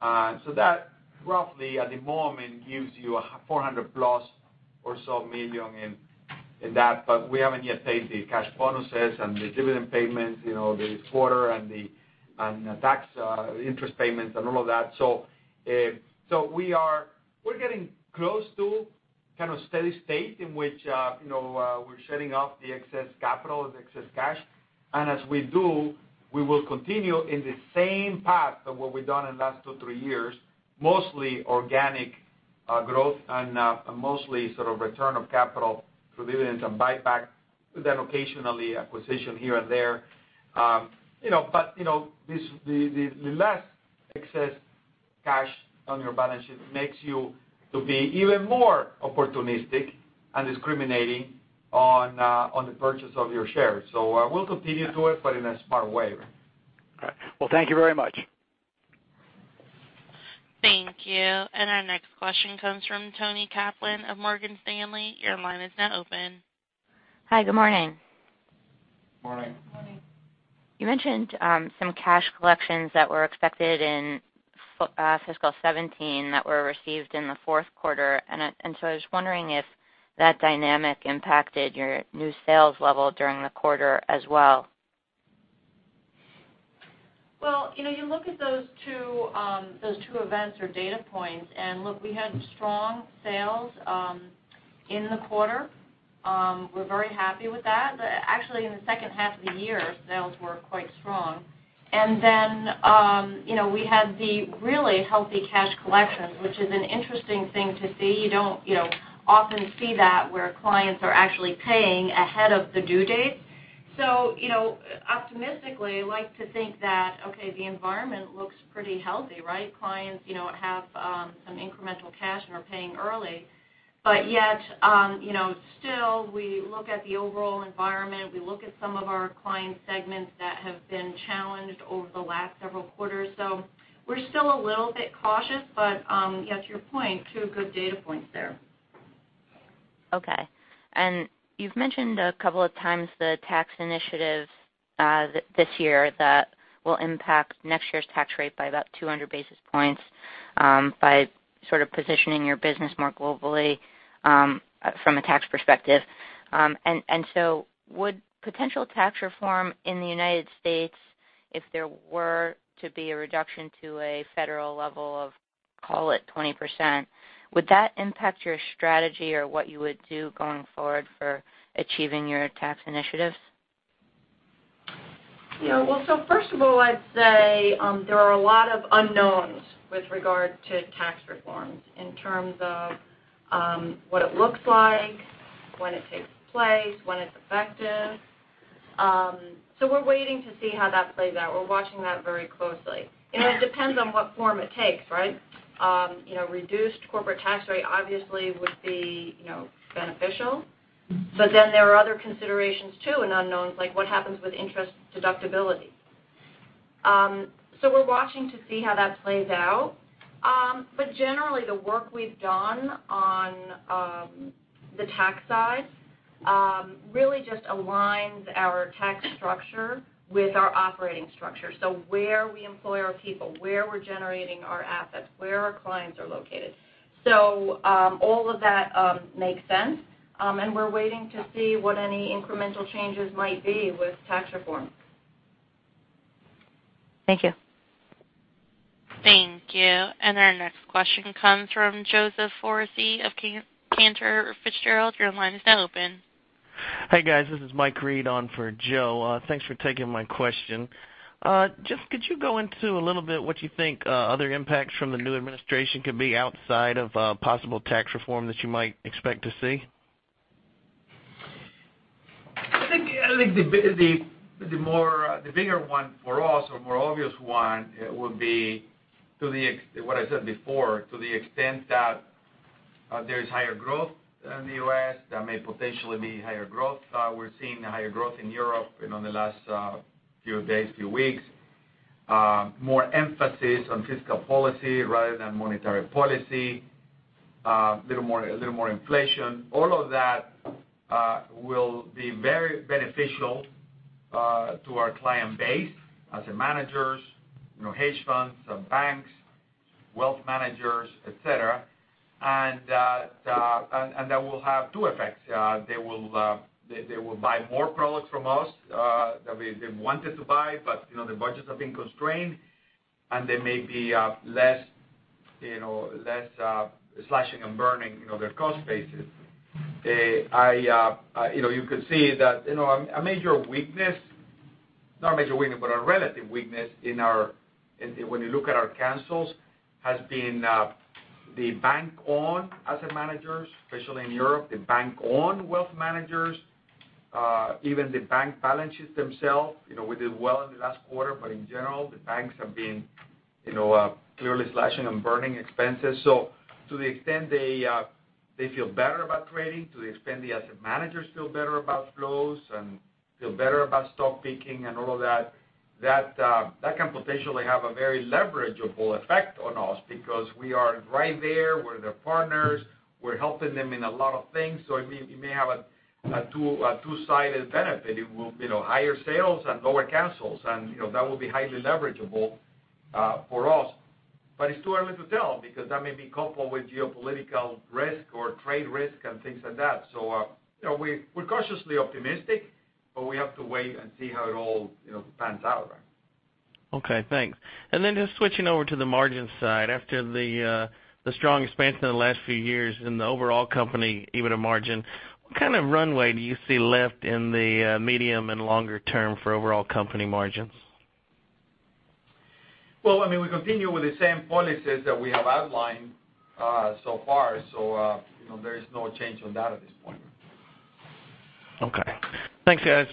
That roughly at the moment gives you $400-plus or so million in that. We haven't yet paid the cash bonuses and the dividend payments, the quarter and the tax interest payments and all of that. We're getting close to kind of steady state in which we're shedding off the excess capital, the excess cash. As we do, we will continue in the same path of what we've done in the last two, three years, mostly organic growth and mostly sort of return of capital through dividends and buyback, then occasionally acquisition here and there. The less excess cash on your balance sheet makes you to be even more opportunistic and discriminating on the purchase of your shares. We'll continue to do it, but in a smart way. Okay. Well, thank you very much. Thank you. Our next question comes from Toni Kaplan of Morgan Stanley. Your line is now open. Hi. Good morning. Morning. Good morning. You mentioned some cash collections that were expected in fiscal 2017 that were received in the fourth quarter. I was wondering if that dynamic impacted your new sales level during the quarter as well. Well, you look at those two events or data points, and look, we had strong sales in the quarter. We're very happy with that. Actually, in the second half of the year, sales were quite strong. We had the really healthy cash collections, which is an interesting thing to see. You don't often see that where clients are actually paying ahead of the due date. Optimistically, I like to think that, okay, the environment looks pretty healthy, right? Clients have some incremental cash and are paying early. We look at the overall environment. We look at some of our client segments that have been challenged over the last several quarters. We're still a little bit cautious. Yes, your point, two good data points there. Okay. You've mentioned a couple of times the tax initiative this year that will impact next year's tax rate by about 200 basis points by sort of positioning your business more globally from a tax perspective. Would potential tax reform in the U.S., if there were to be a reduction to a federal level of, call it 20%, would that impact your strategy or what you would do going forward for achieving your tax initiatives? Well, first of all, I'd say there are a lot of unknowns with regard to tax reforms in terms of what it looks like, when it takes place, when it's effective. We're waiting to see how that plays out. We're watching that very closely. It depends on what form it takes, right? Reduced corporate tax rate obviously would be beneficial. There are other considerations, too, and unknowns, like what happens with interest deductibility. We're watching to see how that plays out. Generally, the work we've done on the tax side really just aligns our tax structure with our operating structure. Where we employ our people, where we're generating our assets, where our clients are located. All of that makes sense. We're waiting to see what any incremental changes might be with tax reform. Thank you. Thank you. Our next question comes from Joseph Foresi of Cantor Fitzgerald. Your line is now open. Hi, guys. This is Mike Reed on for Joe. Thanks for taking my question. Just, could you go into a little bit what you think other impacts from the new administration could be outside of possible tax reform that you might expect to see? I think the bigger one for us, or more obvious one, would be what I said before, to the extent that there's higher growth in the U.S., there may potentially be higher growth. We're seeing a higher growth in Europe in the last few days, few weeks. More emphasis on fiscal policy rather than monetary policy. A little more inflation. All of that will be very beneficial to our client base as in managers, hedge funds, banks, wealth managers, et cetera. That will have two effects. They will buy more products from us that they've wanted to buy, but their budgets have been constrained, and they may be less slashing and burning their cost bases. You could see that a major weakness, not a major weakness, but a relative weakness when you look at our cancels, has been the bank-owned asset managers, especially in Europe, the bank-owned wealth managers, even the bank balance sheets themselves. We did well in the last quarter, but in general, the banks have been clearly slashing and burning expenses. To the extent they feel better about trading, to the extent the asset managers feel better about flows and feel better about stock picking and all of that can potentially have a very leverageable effect on us because we are right there. We're their partners. We're helping them in a lot of things. It may have a two-sided benefit. It will, higher sales and lower cancels, and that will be highly leverageable for us. It's too early to tell because that may be coupled with geopolitical risk or trade risk and things like that. We're cautiously optimistic, but we have to wait and see how it all pans out. Okay, thanks. Just switching over to the margin side, after the strong expansion in the last few years in the overall company, even at margin, what kind of runway do you see left in the medium and longer term for overall company margins? Well, we continue with the same policies that we have outlined so far, there is no change on that at this point. Okay. Thanks, guys.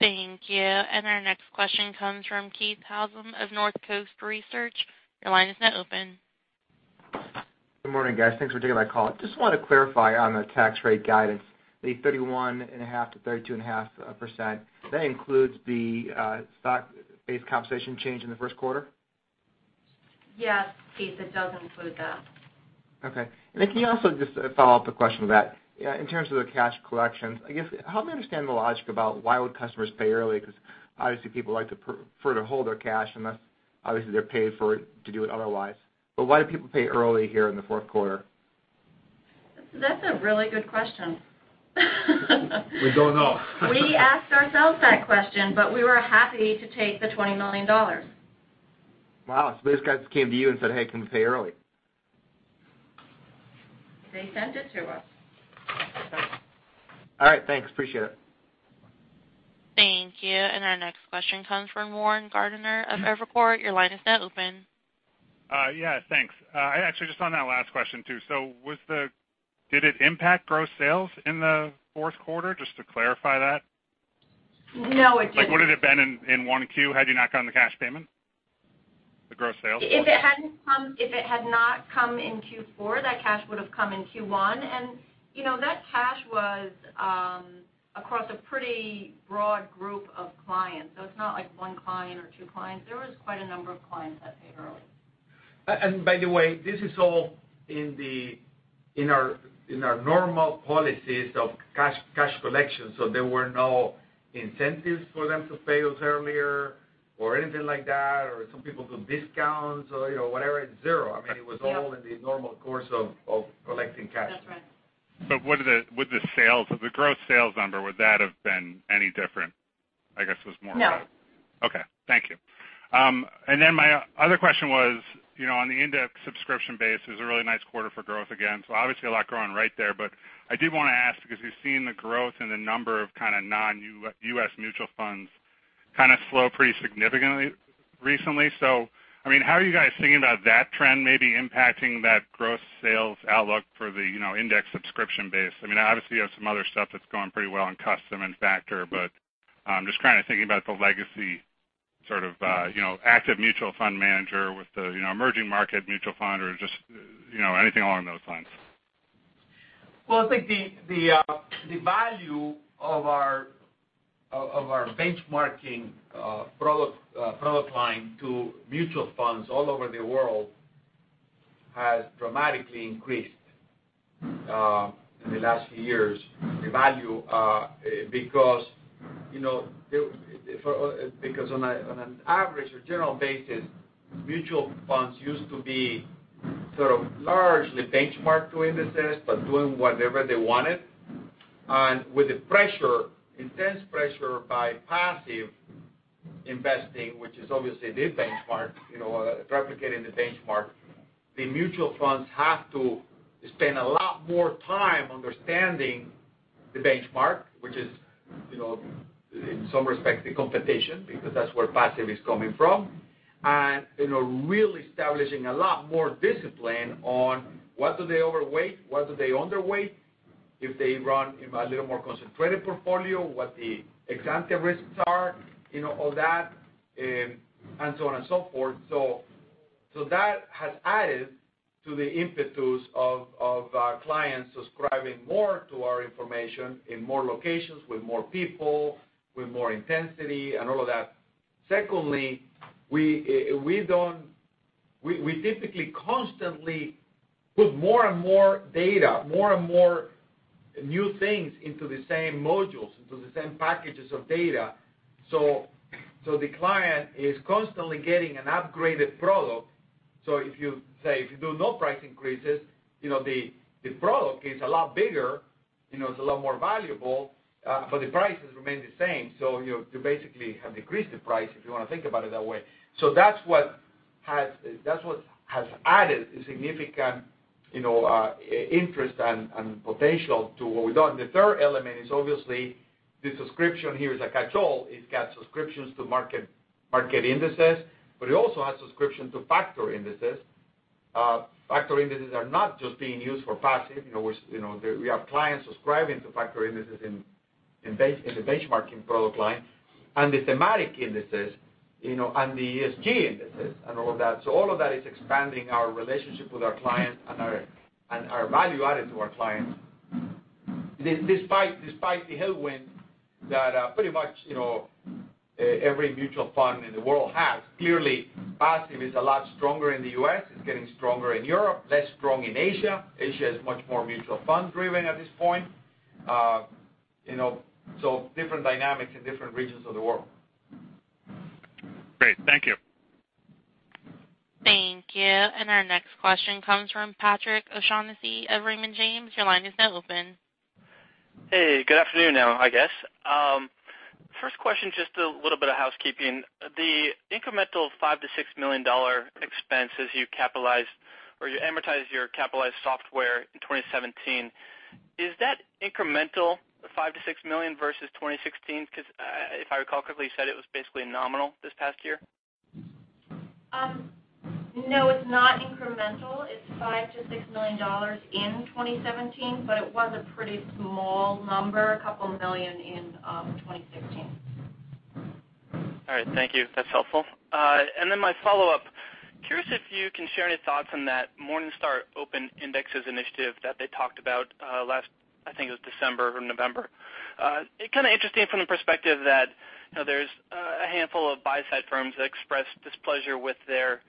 Thank you. Our next question comes from Keith Housum of Northcoast Research. Your line is now open. Good morning, guys. Thanks for taking my call. Just wanted to clarify on the tax rate guidance, the 31.5%-32.5%, that includes the stock-based compensation change in the first quarter? Yes, Keith Housum, it does include that. Okay. Can you also just follow up the question with that, in terms of the cash collections, I guess, help me understand the logic about why would customers pay early, because obviously people like to prefer to hold their cash unless obviously they're paid for it to do it otherwise. Why do people pay early here in the fourth quarter? That's a really good question. We don't know. We asked ourselves that question, we were happy to take the $20 million. Wow. Basically, guys just came to you and said, "Hey, can we pay early? They sent it to us. All right, thanks. Appreciate it. Thank you. Our next question comes from Warren Gardiner of Evercore. Your line is now open. Thanks. Actually, just on that last question, too. Did it impact gross sales in the fourth quarter, just to clarify that? No, it didn't. Like, what would it have been in 1Q had you not gotten the cash payment? The gross sales? If it had not come in Q4, that cash would've come in Q1. That cash was across a pretty broad group of clients. It's not like one client or two clients. There was quite a number of clients that paid early. By the way, this is all in our normal policies of cash collection. There were no incentives for them to pay us earlier or anything like that, or some people do discounts or whatever. It is zero. I mean, it was all in the normal course of collecting cash. That is right. Would the sales, the gross sales number, would that have been any different, I guess, was more the- No. Okay. Thank you. My other question was, on the index subscription base, it was a really nice quarter for growth again. Obviously a lot growing right there. I did want to ask, because we have seen the growth in the number of kind of non-U.S. mutual funds kind of slow pretty significantly recently. How are you guys thinking about that trend maybe impacting that gross sales outlook for the index subscription base? Obviously, you have some other stuff that is going pretty well in custom and factor, but I am just kind of thinking about the legacy sort of active mutual fund manager with the emerging market mutual fund or just anything along those lines. Well, I think the value of our benchmarking product line to mutual funds all over the world has dramatically increased in the last few years. The value, because on an average or general basis, mutual funds used to be sort of largely benchmarked to indices, but doing whatever they wanted. With the intense pressure by passive investing, which is obviously the benchmark, replicating the benchmark, the mutual funds have to spend a lot more time understanding the benchmark, which is, in some respects, the competition, because that's where passive is coming from. Really establishing a lot more discipline on what do they overweight, what do they underweight. If they run a little more concentrated portfolio, what the exemptive risks are, all that, and so on and so forth. That has added to the impetus of our clients subscribing more to our information in more locations with more people, with more intensity and all of that. Secondly, we typically constantly put more and more data, more and more new things into the same modules, into the same packages of data. The client is constantly getting an upgraded product. If you do no price increases, the product gets a lot bigger, it's a lot more valuable, but the prices remain the same. You basically have decreased the price if you want to think about it that way. That's what has added a significant interest and potential to what we've done. The third element is obviously the subscription here is a catch-all. It's got subscriptions to market indices, but it also has subscription to factor indices. Factor indices are not just being used for passive. We have clients subscribing to factor indices in the benchmarking product line, and the thematic indices, and the ESG indices and all of that. All of that is expanding our relationship with our clients and our value added to our clients, despite the headwind that pretty much every mutual fund in the world has. Clearly, passive is a lot stronger in the U.S., it's getting stronger in Europe, less strong in Asia. Asia is much more mutual fund-driven at this point. Different dynamics in different regions of the world. Great. Thank you. Thank you. Our next question comes from Patrick O'Shaughnessy of Raymond James. Your line is now open. Hey, good afternoon now, I guess. First question, just a little bit of housekeeping. The incremental $5 million-$6 million expense as you amortize your capitalized software in 2017, is that incremental, the $5 million-$6 million versus 2016? If I recall correctly, you said it was basically nominal this past year. No, it's not incremental. It's $5 million-$6 million in 2017, it was a pretty small number, a couple million in 2016. All right. Thank you. That's helpful. Then my follow-up. Curious if you can share any thoughts on that Morningstar Open Indexes Initiative that they talked about last, I think it was December or November. Kind of interesting from the perspective that there's a handful of buy-side firms that expressed displeasure with their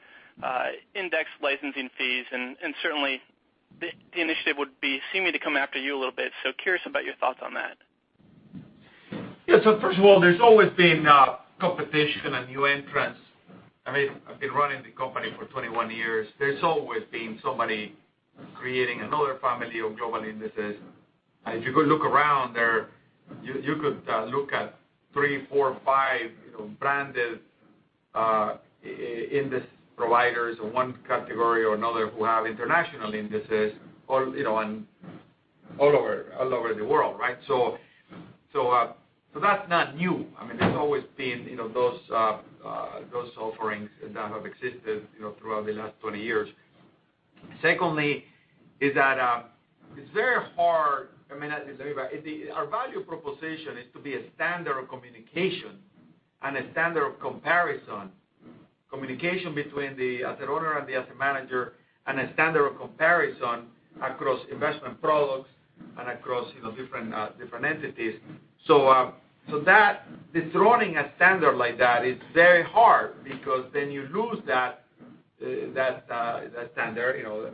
index licensing fees, certainly, the initiative would be seeming to come after you a little bit. Curious about your thoughts on that. first of all, there's always been competition and new entrants. I've been running the company for 21 years. There's always been somebody creating another family of global indices. If you could look around there, you could look at three, four, five branded index providers in one category or another who have international indices all over the world, right? That's not new. There's always been those offerings that have existed throughout the last 20 years. It's very hard. Our value proposition is to be a standard of communication and a standard of comparison. Communication between the asset owner and the asset manager, and a standard of comparison across investment products and across different entities. Dethroning a standard like that is very hard because then you lose that standard.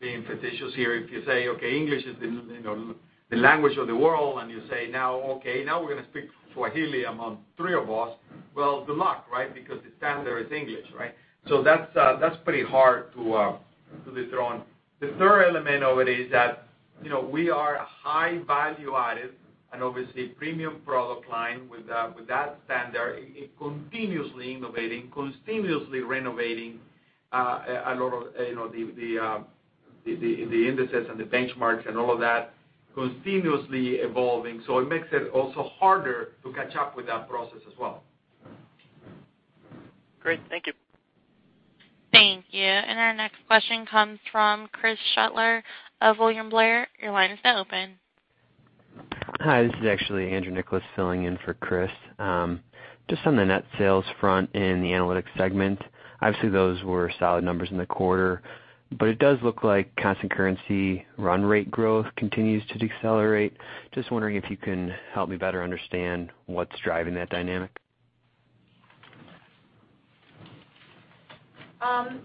Being facetious here, if you say, English is the language of the world, and you say, "Now, now we're going to speak Swahili among three of us." Good luck, right? The standard is English, right? That's pretty hard to dethrone. The third element of it is that we are a high value added and obviously premium product line with that standard, continuously innovating, continuously renovating a lot of the indices and the benchmarks and all of that, continuously evolving. It makes it also harder to catch up with that process as well. Great. Thank you. Thank you. Our next question comes from Chris Shutler of William Blair. Your line is now open. Hi, this is actually Andrew Nicholas filling in for Chris. On the net sales front in the analytics segment, obviously those were solid numbers in the quarter, it does look like constant currency run rate growth continues to decelerate. Just wondering if you can help me better understand what's driving that dynamic.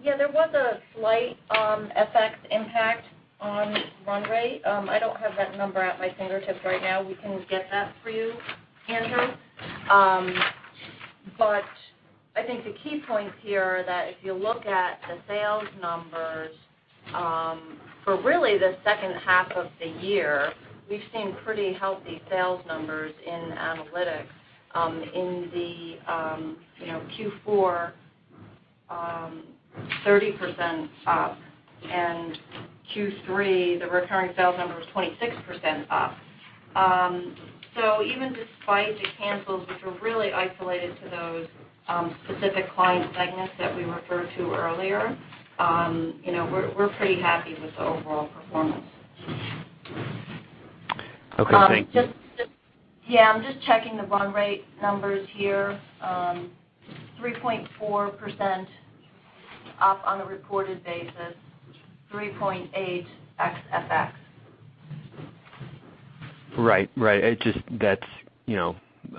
Yeah, there was a slight FX impact on run rate. I don't have that number at my fingertips right now. We can get that for you, Andrew. I think the key points here are that if you look at the sales numbers for really the second half of the year, we've seen pretty healthy sales numbers in analytics. In the Q4, 30% up, in Q3, the recurring sales number was 26% up. Even despite the cancels, which were really isolated to those specific client segments that we referred to earlier, we're pretty happy with the overall performance. Okay, thank you. Yeah, I'm just checking the run rate numbers here. 3.4% up on a reported basis, 3.8% ex-FX. Right. That's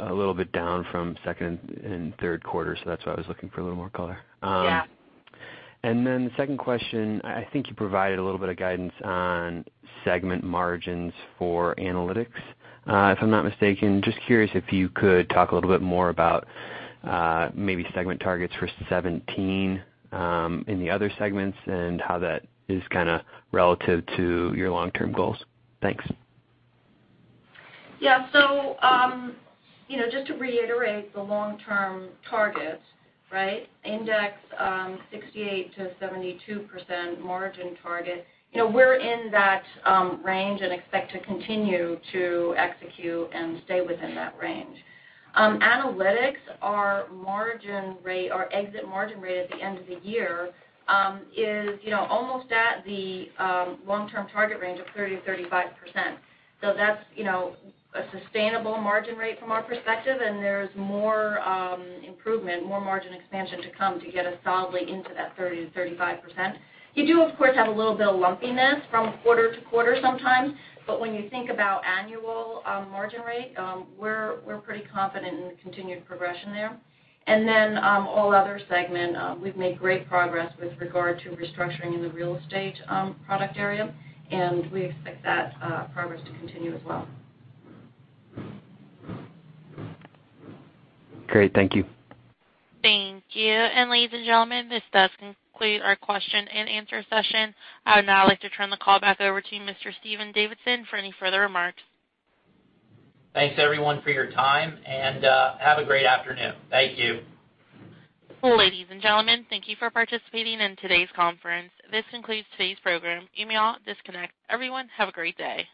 a little bit down from second and third quarter, that's why I was looking for a little more color. Yeah. The second question, I think you provided a little bit of guidance on segment margins for Analytics. If I'm not mistaken, just curious if you could talk a little bit more about maybe segment targets for 2017 in the other segments and how that is kind of relative to your long-term goals. Thanks. Yeah. Just to reiterate the long-term targets, Index 68%-72% margin target. We're in that range and expect to continue to execute and stay within that range. Analytics, our exit margin rate at the end of the year, is almost at the long-term target range of 30%-35%. That's a sustainable margin rate from our perspective, and there's more improvement, more margin expansion to come to get us solidly into that 30%-35%. You do, of course, have a little bit of lumpiness from quarter to quarter sometimes. When you think about annual margin rate, we're pretty confident in the continued progression there. All Other Segment, we've made great progress with regard to restructuring in the real estate product area, and we expect that progress to continue as well. Great. Thank you. Thank you. Ladies and gentlemen, this does conclude our question and answer session. I would now like to turn the call back over to Mr. Stephen Davidson for any further remarks. Thanks, everyone for your time, and have a great afternoon. Thank you. Ladies and gentlemen, thank you for participating in today's conference. This concludes today's program. You may all disconnect. Everyone, have a great day.